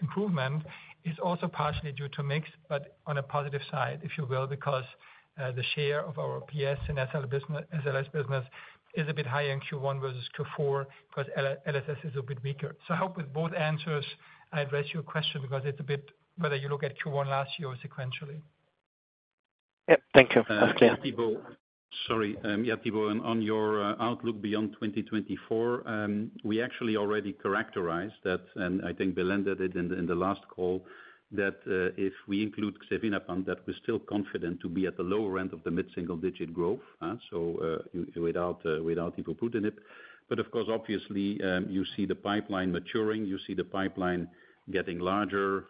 improvement, is also partially due to mix but on a positive side, if you will, because the share of our PS and SLS business is a bit higher in Q1 versus Q4 because LSS is a bit weaker. So I hope with both answers, I address your question because it's a bit whether you look at Q1 last year or sequentially. Yeah, thank you. That's clear. Yeah, Tibo, sorry. Yeah, Tibo, on your outlook beyond 2024, we actually already characterized that, and I think Belén did it in the last call, that if we include Xevinapant, that we're still confident to be at the lower end of the mid-single-digit growth, so without Evobrutinib. But of course, obviously, you see the pipeline maturing. You see the pipeline getting larger.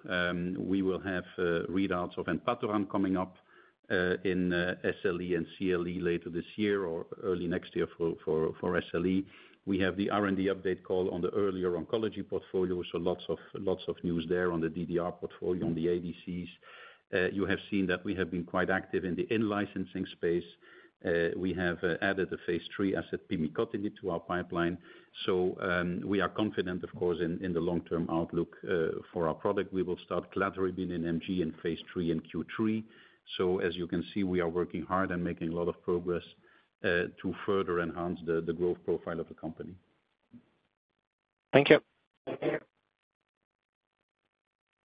We will have readouts of Enpatoran coming up in SLE and CLE later this year or early next year for SLE. We have the R&D update call on the earlier oncology portfolio, so lots of news there on the DDR portfolio, on the ADCs. You have seen that we have been quite active in the in-licensing space. We have added a phase three asset, Pimicotinib, to our pipeline. So we are confident, of course, in the long-term outlook for our product. We will start Cladribine in MG in phase 3 and Q3. As you can see, we are working hard and making a lot of progress to further enhance the growth profile of the company. Thank you.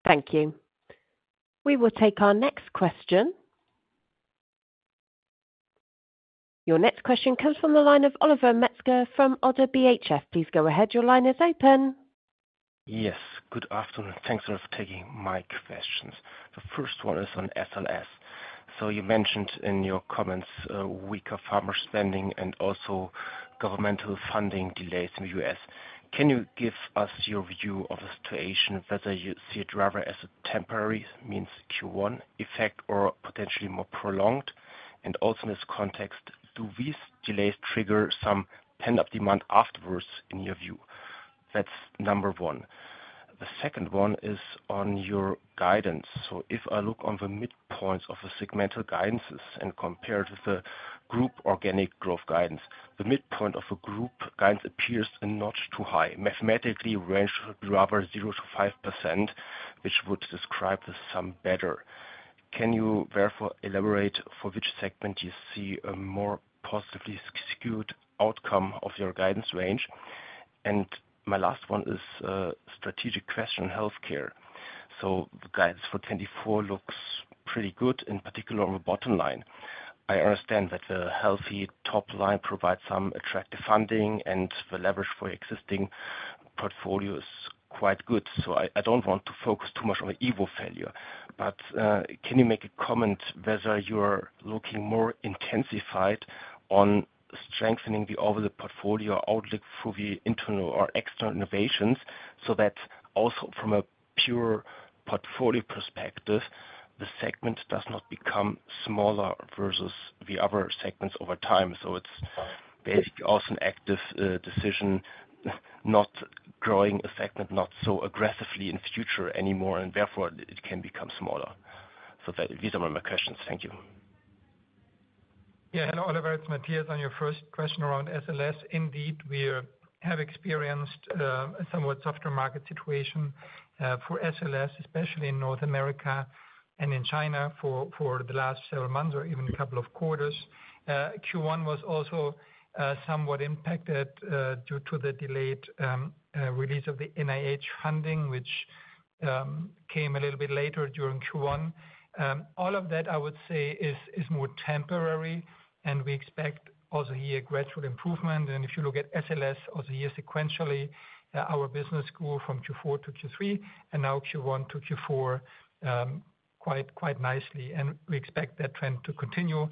Thank you. We will take our next question. Your next question comes from the line of Oliver Metzger from Oddo BHF. Please go ahead. Your line is open. Yes. Good afternoon. Thanks for taking my questions. The first one is on SLS. So you mentioned in your comments weaker pharma spending and also governmental funding delays in the U.S. Can you give us your view of the situation, whether you see it rather as a temporary, means Q1 effect, or potentially more prolonged? And also in this context, do these delays trigger some pent-up demand afterwards in your view? That's number one. The second one is on your guidance. So if I look on the midpoints of the segmental guidances and compare it with the group organic growth guidance, the midpoint of the group guidance appears a notch too high. Mathematically, range should be rather 0%-5%, which would describe the sum better. Can you therefore elaborate for which segment you see a more positively skewed outcome of your guidance range? My last one is a strategic question on Healthcare. So the guidance for 2024 looks pretty good, in particular on the bottom line. I understand that the healthy top line provides some attractive funding, and the leverage for existing portfolio is quite good. So I don't want to focus too much on the EV-302 failure. But can you make a comment whether you're looking more intensified on strengthening the overall portfolio outlook through the internal or external innovations so that also from a pure portfolio perspective, the segment does not become smaller versus the other segments over time? So it's basically also an active decision, not growing a segment not so aggressively in future anymore, and therefore, it can become smaller. So these are my questions. Thank you. Yeah. Hello, Oliver. It's Matthias on your first question around SLS. Indeed, we have experienced a somewhat softer market situation for SLS, especially in North America and in China for the last several months or even a couple of quarters. Q1 was also somewhat impacted due to the delayed release of the NIH funding, which came a little bit later during Q1. All of that, I would say, is more temporary. We expect also here a gradual improvement. If you look at SLS also here sequentially, our business grew from Q4-Q3 and now Q1-Q4 quite nicely. We expect that trend to continue.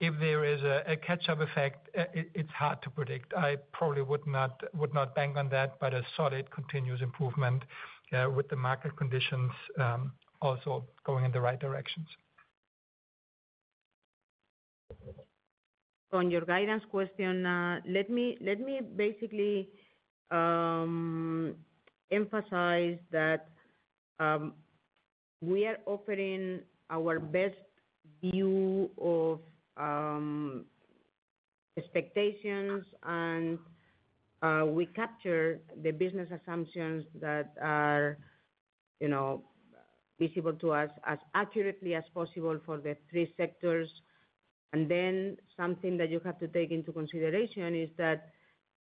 If there is a catch-up effect, it's hard to predict. I probably would not bank on that, but a solid continuous improvement with the market conditions also going in the right directions. So on your guidance question, let me basically emphasize that we are offering our best view of expectations, and we capture the business assumptions that are visible to us as accurately as possible for the three sectors. And then something that you have to take into consideration is that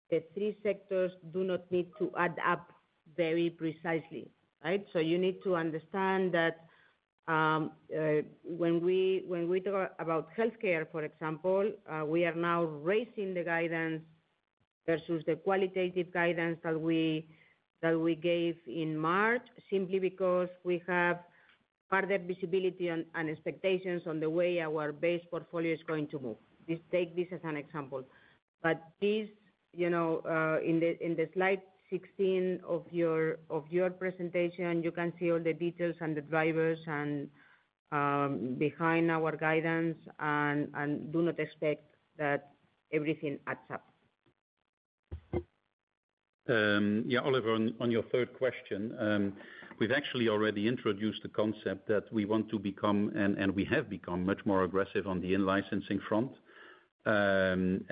the three sectors do not need to add up very precisely, right? So you need to understand that when we talk about Healthcare, for example, we are now raising the guidance versus the qualitative guidance that we gave in March simply because we have further visibility and expectations on the way our base portfolio is going to move. Take this as an example. But in slide 16 of your presentation, you can see all the details and the drivers behind our guidance, and do not expect that everything adds up. Yeah, Oliver, on your third question, we've actually already introduced the concept that we want to become, and we have become, much more aggressive on the in-licensing front. And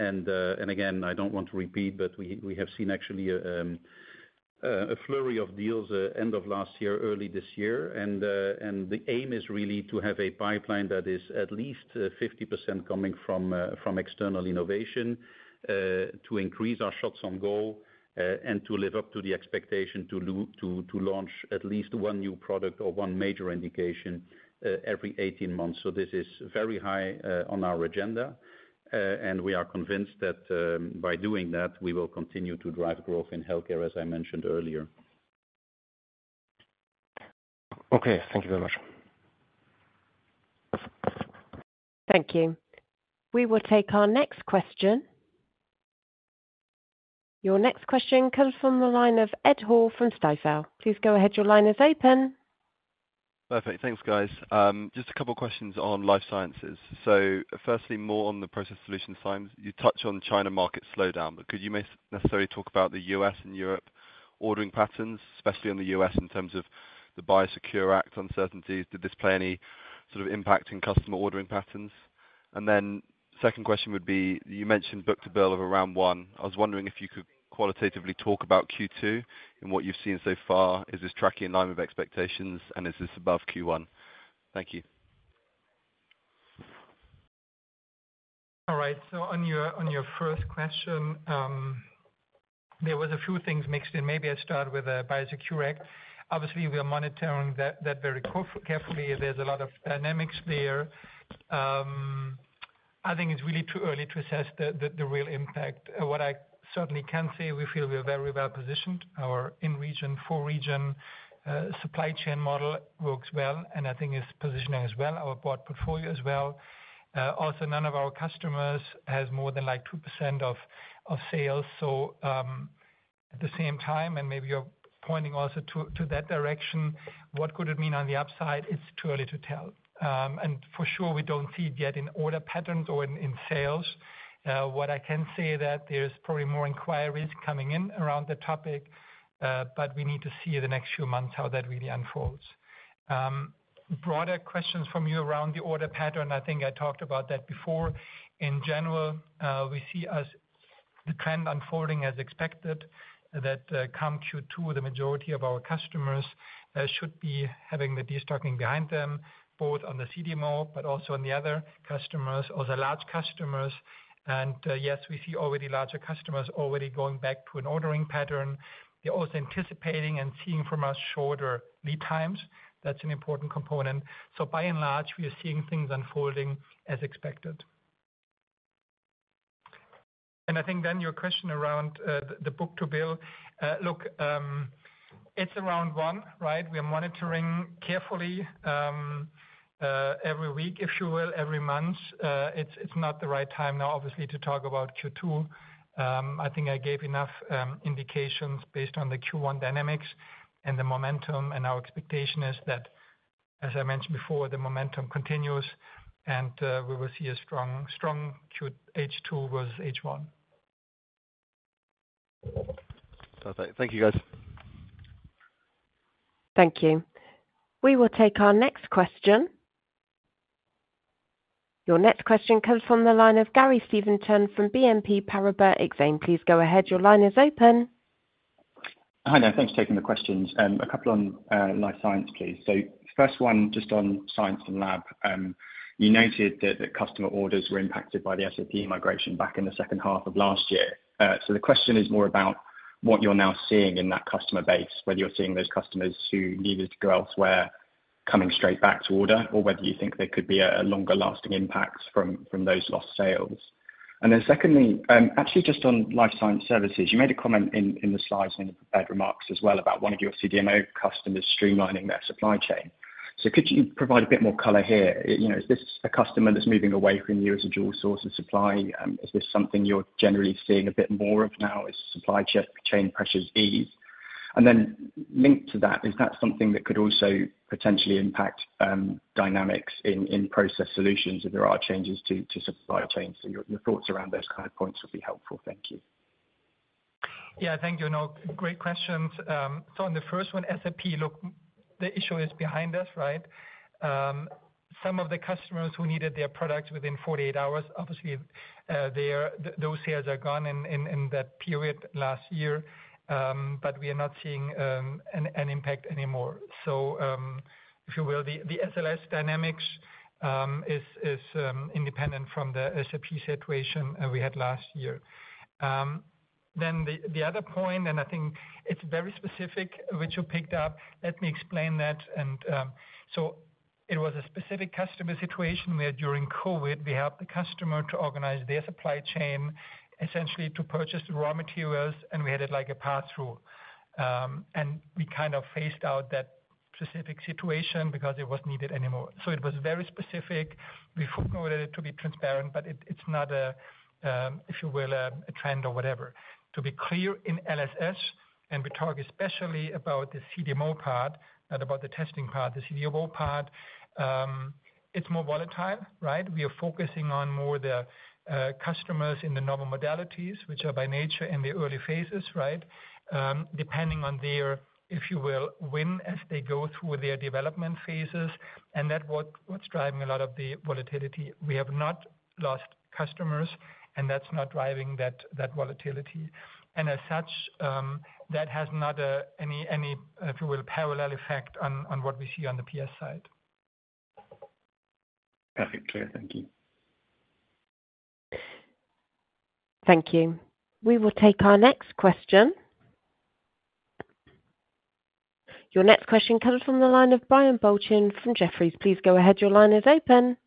again, I don't want to repeat, but we have seen actually a flurry of deals end of last year, early this year. And the aim is really to have a pipeline that is at least 50% coming from external innovation to increase our shots on goal and to live up to the expectation to launch at least one new product or one major indication every 18 months. So this is very high on our agenda. And we are convinced that by doing that, we will continue to drive growth in Healthcare, as I mentioned earlier. Okay. Thank you very much. Thank you. We will take our next question. Your next question comes from the line of Ed Hall from Stifel. Please go ahead. Your line is open. Perfect. Thanks, guys. Just a couple of questions on Life Science. So firstly, more on the Process Solutions. You touched on China market slowdown, but could you necessarily talk about the U.S. and Europe ordering patterns, especially in the U.S. in terms of the Biosecure Act uncertainties? Did this play any sort of impact in customer ordering patterns? And then second question would be, you mentioned book-to-bill of around 1. I was wondering if you could qualitatively talk about Q2 and what you've seen so far. Is this tracking in line with expectations, and is this above Q1? Thank you. All right. So on your first question, there was a few things mixed in. Maybe I start with Biosecure Act. Obviously, we are monitoring that very carefully. There's a lot of dynamics there. I think it's really too early to assess the real impact. What I certainly can say, we feel we are very well positioned. Our in-region, four-region supply chain model works well, and I think it's positioning as well, our broad portfolio as well. Also, none of our customers has more than 2% of sales. So at the same time, and maybe you're pointing also to that direction, what could it mean on the upside? It's too early to tell. And for sure, we don't see it yet in order patterns or in sales. What I can say is that there's probably more inquiries coming in around the topic, but we need to see in the next few months how that really unfolds. Broader questions from you around the order pattern. I think I talked about that before. In general, we see the trend unfolding as expected, that come Q2, the majority of our customers should be having the destocking behind them, both on the CDMO but also on the other customers, also large customers. And yes, we see already larger customers already going back to an ordering pattern. They're also anticipating and seeing from us shorter lead times. That's an important component. So by and large, we are seeing things unfolding as expected. And I think then your question around the book-to-bill. Look, it's around 1, right? We are monitoring carefully every week, if you will, every month. It's not the right time now, obviously, to talk about Q2. I think I gave enough indications based on the Q1 dynamics and the momentum. Our expectation is that, as I mentioned before, the momentum continues, and we will see a strong H2 versus H1. Perfect. Thank you, guys. Thank you. We will take our next question. Your next question comes from the line of Gary Steventon from BNP Paribas Exane. Please go ahead. Your line is open. Hi, there. Thanks for taking the questions. A couple on Life Science, please. So first one, just on science and lab. You noted that customer orders were impacted by the SAP migration back in the second half of last year. So the question is more about what you're now seeing in that customer base, whether you're seeing those customers who needed to go elsewhere coming straight back to order, or whether you think there could be a longer-lasting impact from those lost sales. And then secondly, actually, just on Life Science Services, you made a comment in the slides and in the prepared remarks as well about one of your CDMO customers streamlining their supply chain. So could you provide a bit more color here? Is this a customer that's moving away from you as a dual source of supply? Is this something you're generally seeing a bit more of now as supply chain pressures ease? And then linked to that, is that something that could also potentially impact dynamics in Process Solutionss if there are changes to supply chains? So your thoughts around those kind of points would be helpful. Thank you. Yeah, thank you. Great questions. So on the first one, SAP, look, the issue is behind us, right? Some of the customers who needed their products within 48 hours, obviously, those sales are gone in that period last year. But we are not seeing an impact anymore. So if you will, the SLS dynamics is independent from the SAP situation we had last year. Then the other point, and I think it's very specific, which you picked up. Let me explain that. And so it was a specific customer situation where during COVID, we helped the customer to organize their supply chain, essentially to purchase the raw materials, and we had it like a pass-through. And we kind of phased out that specific situation because it was needed anymore. So it was very specific. We footnoted it to be transparent, but it's not a, if you will, a trend or whatever. To be clear, in LSS, and we talk especially about the CDMO part, not about the testing part, the CDMO part, it's more volatile, right? We are focusing on more the customers in the novel modalities, which are by nature in the early phases, right, depending on their, if you will, win as they go through their development phases. And that's what's driving a lot of the volatility. We have not lost customers, and that's not driving that volatility. And as such, that has not any, if you will, parallel effect on what we see on the PS side. Perfect. Clear. Thank you. Thank you. We will take our next question. Your next question comes from the line of Brian Balchin from Jefferies. Please go ahead. Your line is open.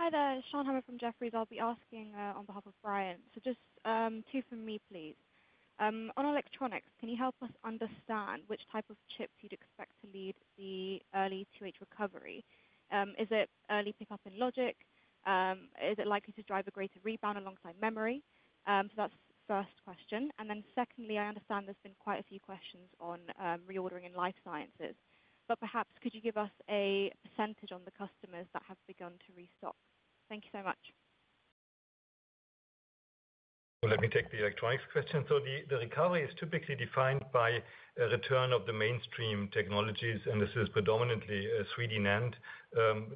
Hi there. Sean Hamer from Jefferies. I'll be asking on behalf of Brian. So just two from me, please. On Electronics, can you help us understand which type of chips you'd expect to lead the early 2H recovery? Is it early pickup in logic? Is it likely to drive a greater rebound alongside memory? So that's the first question. And then secondly, I understand there's been quite a few questions on reordering in Life Science. But perhaps could you give us a percentage on the customers that have begun to restock? Thank you so much. Well, let me take the Electronics question. So the recovery is typically defined by a return of the mainstream technologies, and this is predominantly 3D NAND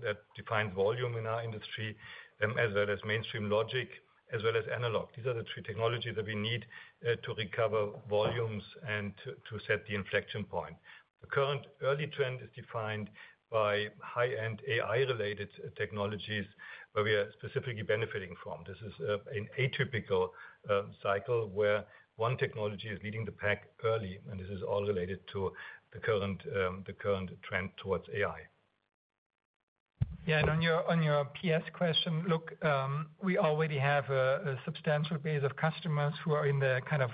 that defines volume in our industry, as well as mainstream logic, as well as analog. These are the three technologies that we need to recover volumes and to set the inflection point. The current early trend is defined by high-end AI-related technologies where we are specifically benefiting from. This is an atypical cycle where one technology is leading the pack early. And this is all related to the current trend towards AI. Yeah. On your PS question, look, we already have a substantial base of customers who are in the kind of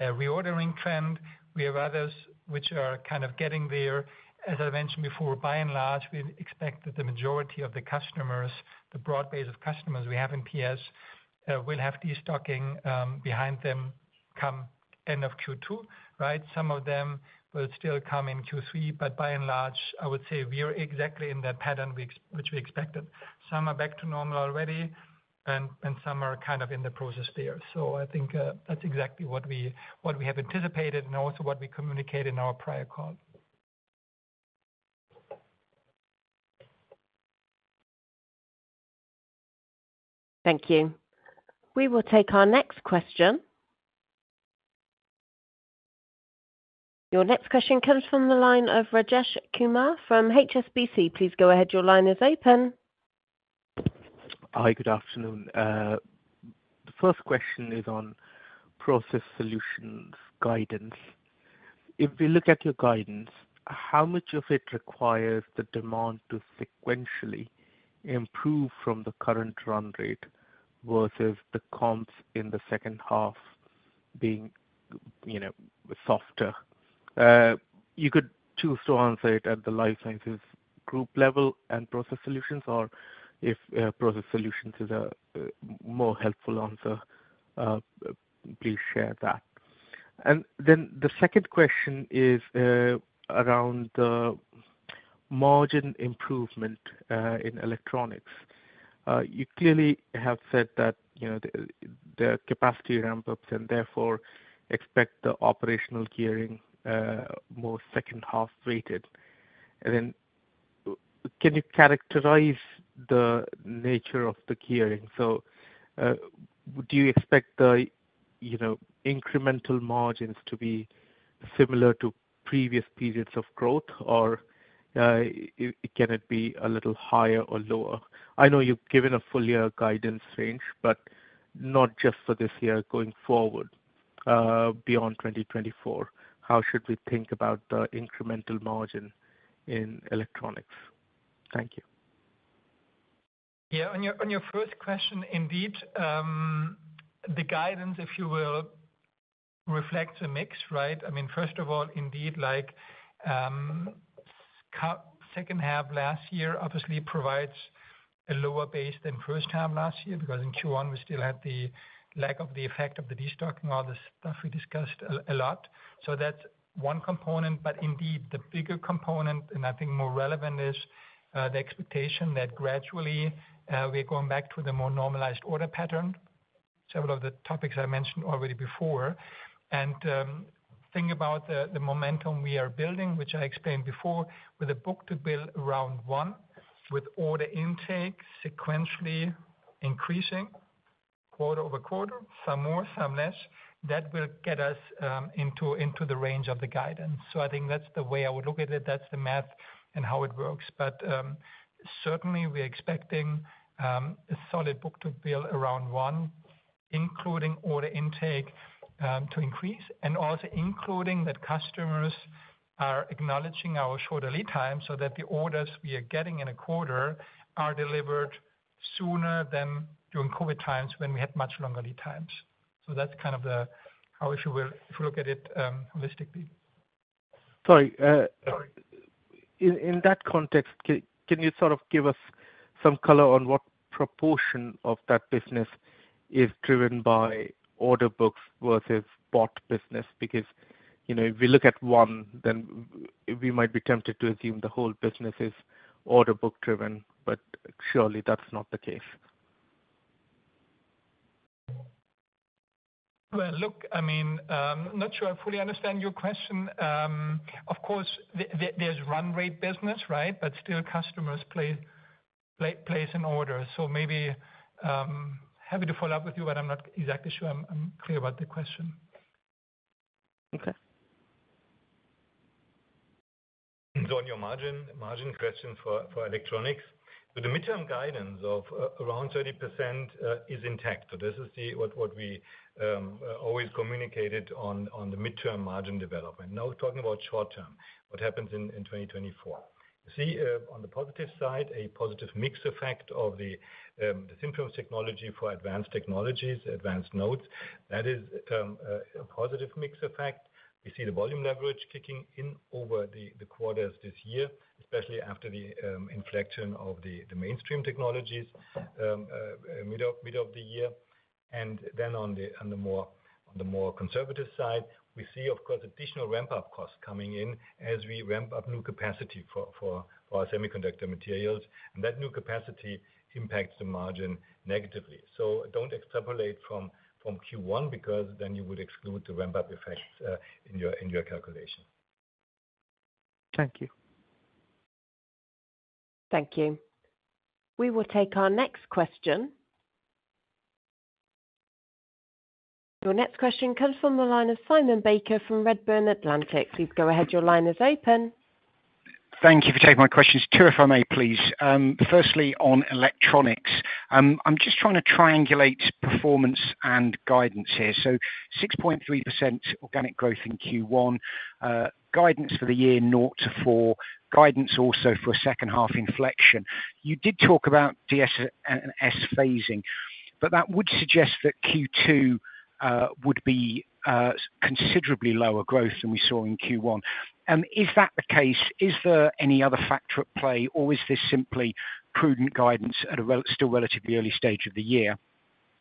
reordering trend. We have others which are kind of getting there. As I mentioned before, by and large, we expect that the majority of the customers, the broad base of customers we have in PS, will have destocking behind them come end of Q2, right? Some of them will still come in Q3. By and large, I would say we are exactly in that pattern which we expected. Some are back to normal already, and some are kind of in the process there. I think that's exactly what we have anticipated and also what we communicated in our prior call. Thank you. We will take our next question. Your next question comes from the line of Rajesh Kumar from HSBC. Please go ahead. Your line is open. Hi. Good afternoon. The first question is on Process Solutions guidance. If we look at your guidance, how much of it requires the demand to sequentially improve from the current run rate versus the comps in the second half being softer? You could choose to answer it at the Life Science group level and Process Solutions, or if Process Solutions is a more helpful answer, please share that. And then the second question is around the margin improvement in Electronics. You clearly have said that there are capacity ramp-ups and therefore expect the operational gearing more second-half weighted. And then can you characterize the nature of the gearing? So do you expect the incremental margins to be similar to previous periods of growth, or can it be a little higher or lower? I know you've given a full-year guidance range, but not just for this year. Going forward beyond 2024, how should we think about the incremental margin in Electronics? Thank you. Yeah. On your first question, indeed, the guidance, if you will, reflects a mix, right? I mean, first of all, indeed, second half last year, obviously, provides a lower base than first half last year because in Q1, we still had the lack of the effect of the destocking, all this stuff we discussed a lot. So that's one component. But indeed, the bigger component, and I think more relevant, is the expectation that gradually we are going back to the more normalized order pattern, several of the topics I mentioned already before. And think about the momentum we are building, which I explained before, with a book-to-bill around 1, with order intake sequentially increasing quarter-over-quarter, some more, some less. That will get us into the range of the guidance. So I think that's the way I would look at it. That's the math and how it works. But certainly, we are expecting a solid book-to-bill around one, including order intake to increase and also including that customers are acknowledging our shorter lead times so that the orders we are getting in a quarter are delivered sooner than during COVID times when we had much longer lead times. So that's kind of how, if you will, if you look at it holistically. Sorry. In that context, can you sort of give us some color on what proportion of that business is driven by order books versus bought business? Because if we look at 1, then we might be tempted to assume the whole business is order book-driven, but surely that's not the case. Well, look, I mean, I'm not sure I fully understand your question. Of course, there's run rate business, right? But still, customers place an order. So maybe happy to follow up with you, but I'm not exactly sure I'm clear about the question. Okay. On your margin question for Electronics, the midterm guidance of around 30% is intact. This is what we always communicated on the midterm margin development. Now, talking about short term, what happens in 2024? You see, on the positive side, a positive mix effect of the Synchronous technology for advanced technologies, advanced nodes. That is a positive mix effect. We see the volume leverage kicking in over the quarters this year, especially after the inflection of the mainstream technologies mid of the year. And then on the more conservative side, we see, of course, additional ramp-up costs coming in as we ramp up new capacity for our semiconductor materials. And that new capacity impacts the margin negatively. So don't extrapolate from Q1 because then you would exclude the ramp-up effects in your calculation. Thank you. Thank you. We will take our next question. Your next question comes from the line of Simon Baker from Redburn Atlantic. Please go ahead. Your line is open. Thank you for taking my questions. Two, if I may, please. Firstly, on Electronics, I'm just trying to triangulate performance and guidance here. So 6.3% organic growth in Q1, guidance for the year 0%-4%, guidance also for a second-half inflection. You did talk about DS&S phasing, but that would suggest that Q2 would be considerably lower growth than we saw in Q1. Is that the case? Is there any other factor at play, or is this simply prudent guidance at a still relatively early stage of the year?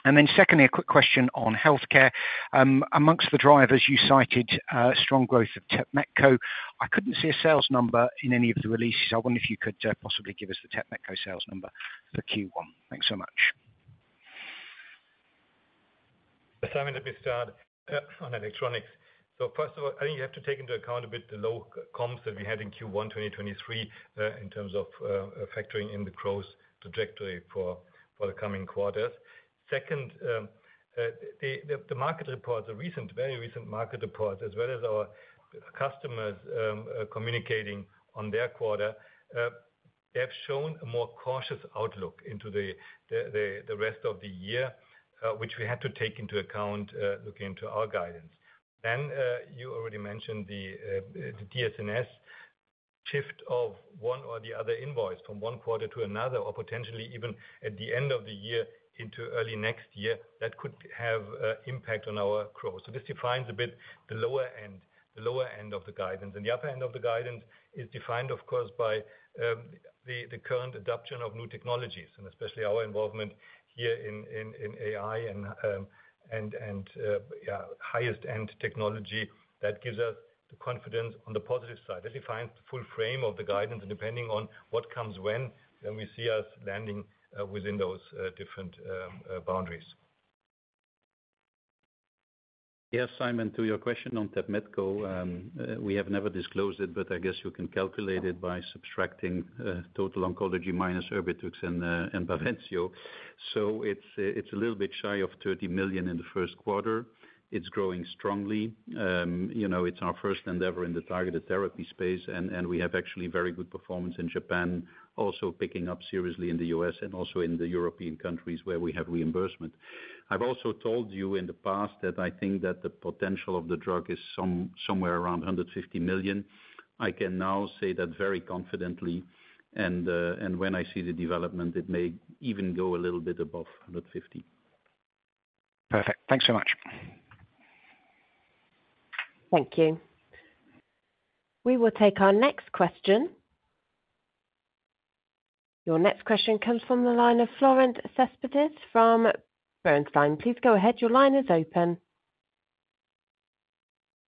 And then secondly, a quick question on Healthcare. Among the drivers, you cited strong growth of Tepmetko. I couldn't see a sales number in any of the releases. I wonder if you could possibly give us the Tepmetko sales number for Q1. Thanks so much. Simon, let me start on Electronics. So first of all, I think you have to take into account a bit the low comps that we had in Q1 2023 in terms of factoring in the growth trajectory for the coming quarters. Second, the market reports, the very recent market reports, as well as our customers communicating on their quarter, they have shown a more cautious outlook into the rest of the year, which we had to take into account looking into our guidance. Then you already mentioned the DS&S shift of one or the other invoice from one quarter to another or potentially even at the end of the year into early next year. That could have an impact on our growth. So this defines a bit the lower end, the lower end of the guidance. And the upper end of the guidance is defined, of course, by the current adoption of new technologies and especially our involvement here in AI and, yeah, highest-end technology that gives us the confidence on the positive side. It defines the full frame of the guidance. And depending on what comes when, then we see us landing within those different boundaries. Yes, Simon, to your question on Tepmetko, we have never disclosed it, but I guess you can calculate it by subtracting total oncology minus Erbitux and Bavencio. So it's a little bit shy of 30 million in the first quarter. It's growing strongly. It's our first endeavor in the targeted therapy space. And we have actually very good performance in Japan, also picking up seriously in the U.S. and also in the European countries where we have reimbursement. I've also told you in the past that I think that the potential of the drug is somewhere around 150 million. I can now say that very confidently. And when I see the development, it may even go a little bit above 150 million. Perfect. Thanks so much. Thank you. We will take our next question. Your next question comes from the line of Florent Cespedes from Bernstein. Please go ahead. Your line is open.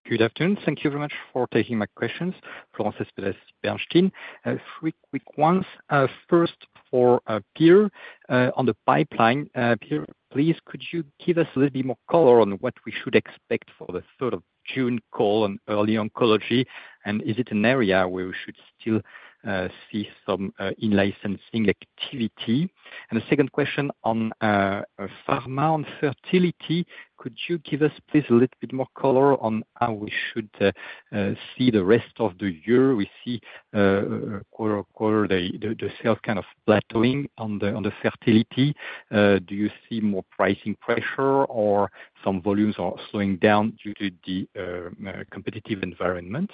Good afternoon. Thank you very much for taking my questions. Florent Cespedes, Bernstein. Three quick ones. First for Peter. On the pipeline, Peter, please, could you give us a little bit more color on what we should expect for the 3rd of June call on early oncology? And is it an area where we should still see some in-licensing activity? And the second question on pharma, on fertility, could you give us, please, a little bit more color on how we should see the rest of the year? We see quarter-over-quarter, the sales kind of plateauing on the fertility. Do you see more pricing pressure or some volumes are slowing down due to the competitive environment?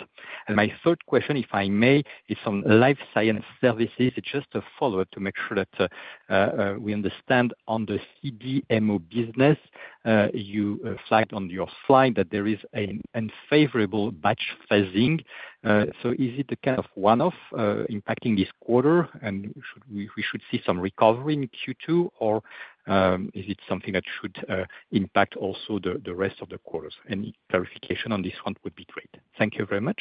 And my third question, if I may, is on life science services. It's just a follow-up to make sure that we understand on the CDMO business. You flagged on your slide that there is an unfavorable batch phasing. So is it a kind of one-off impacting this quarter? And we should see some recovery in Q2, or is it something that should impact also the rest of the quarters? Any clarification on this one would be great. Thank you very much.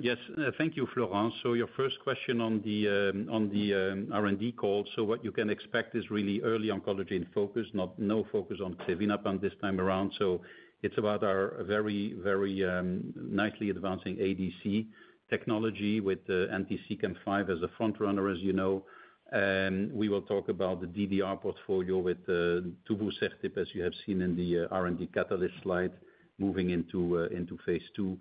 Yes. Thank you, Florent. So your first question on the R&D call. So what you can expect is really early oncology in focus, no focus on Xevinapant this time around. So it's about our very, very nicely advancing ADC technology with Anti-CEACAM5 as a frontrunner, as you know. We will talk about the DDR portfolio with Tuvusertib, as you have seen in the R&D catalyst slide, moving into phase two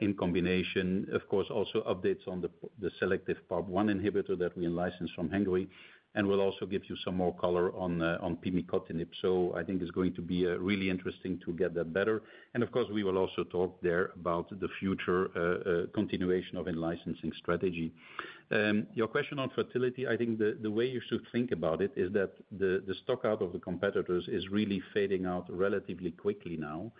in combination. Of course, also updates on the selective PARP1 inhibitor that we in-license from Hengrui. And we'll also give you some more color on Pimicotinib. So I think it's going to be really interesting to get that better. And of course, we will also talk there about the future continuation of in-licensing strategy. Your question on fertility, I think the way you should think about it is that the stockout of the competitors is really fading out relatively quickly now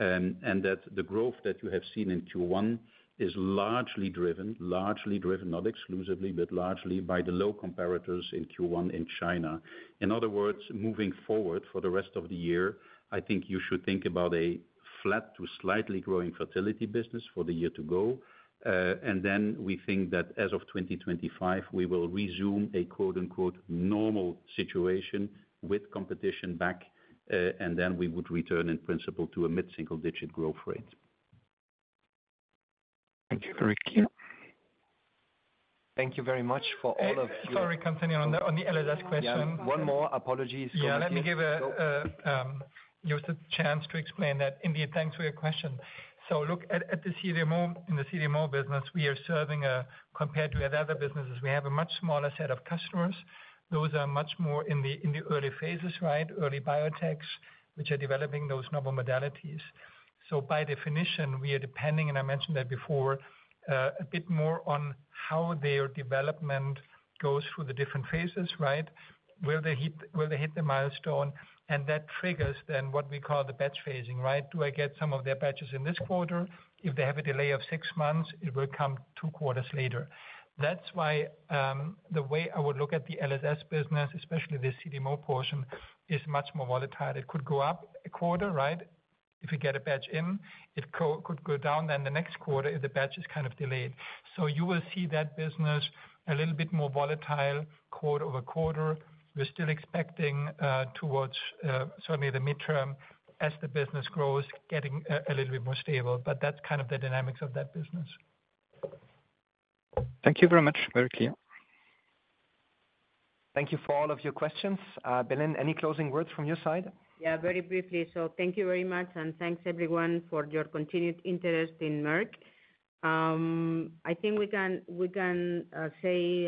and that the growth that you have seen in Q1 is largely driven, not exclusively, but largely by the low comparators in Q1 in China. In other words, moving forward for the rest of the year, I think you should think about a flat to slightly growing fertility business for the year to go. And then we think that as of 2025, we will resume a "normal" situation with competition back, and then we would return in principle to a mid-single-digit growth rate. Thank you, very clear. Thank you very much for all of your. Sorry, continue on the LSS question. One more apologies. Yeah. Let me give you the chance to explain that. Indeed, thanks for your question. So look, in the CDMO business, we are serving compared to other businesses, we have a much smaller set of customers. Those are much more in the early phases, right? Early biotechs, which are developing those novel modalities. So by definition, we are depending, and I mentioned that before, a bit more on how their development goes through the different phases, right? Will they hit the milestone? And that triggers then what we call the batch phasing, right? Do I get some of their batches in this quarter? If they have a delay of six months, it will come two quarters later. That's why the way I would look at the LSS business, especially the CDMO portion, is much more volatile. It could go up a quarter, right? If you get a batch in, it could go down, then the next quarter if the batch is kind of delayed. So you will see that business a little bit more volatile quarter-over-quarter. We're still expecting towards certainly the midterm, as the business grows, getting a little bit more stable. But that's kind of the dynamics of that business. Thank you very much. Very clear. Thank you for all of your questions. Belén, any closing words from your side? Yeah, very briefly. So thank you very much, and thanks everyone for your continued interest in Merck. I think we can say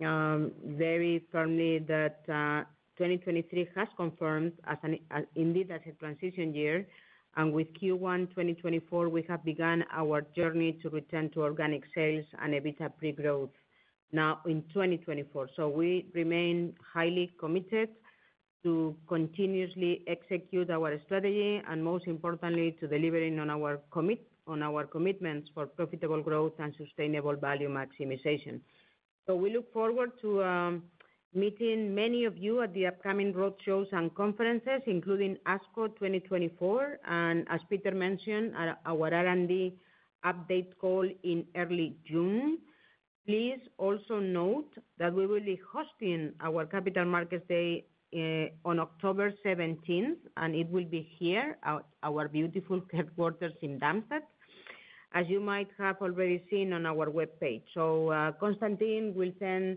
very firmly that 2023 has confirmed indeed as a transition year. And with Q1 2024, we have begun our journey to return to organic sales and EBITDA pre-growth now in 2024. So we remain highly committed to continuously execute our strategy and, most importantly, to delivering on our commitments for profitable growth and sustainable value maximization. So we look forward to meeting many of you at the upcoming roadshows and conferences, including ASCO 2024 and, as Peter mentioned, our R&D update call in early June. Please also note that we will be hosting our Capital Markets Day on October 17th, and it will be here, our beautiful headquarters in Darmstadt, as you might have already seen on our web page. So Constantin will send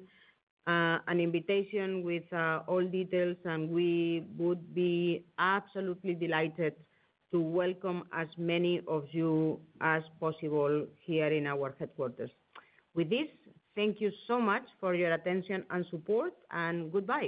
an invitation with all details, and we would be absolutely delighted to welcome as many of you as possible here in our headquarters. With this, thank you so much for your attention and support, and goodbye.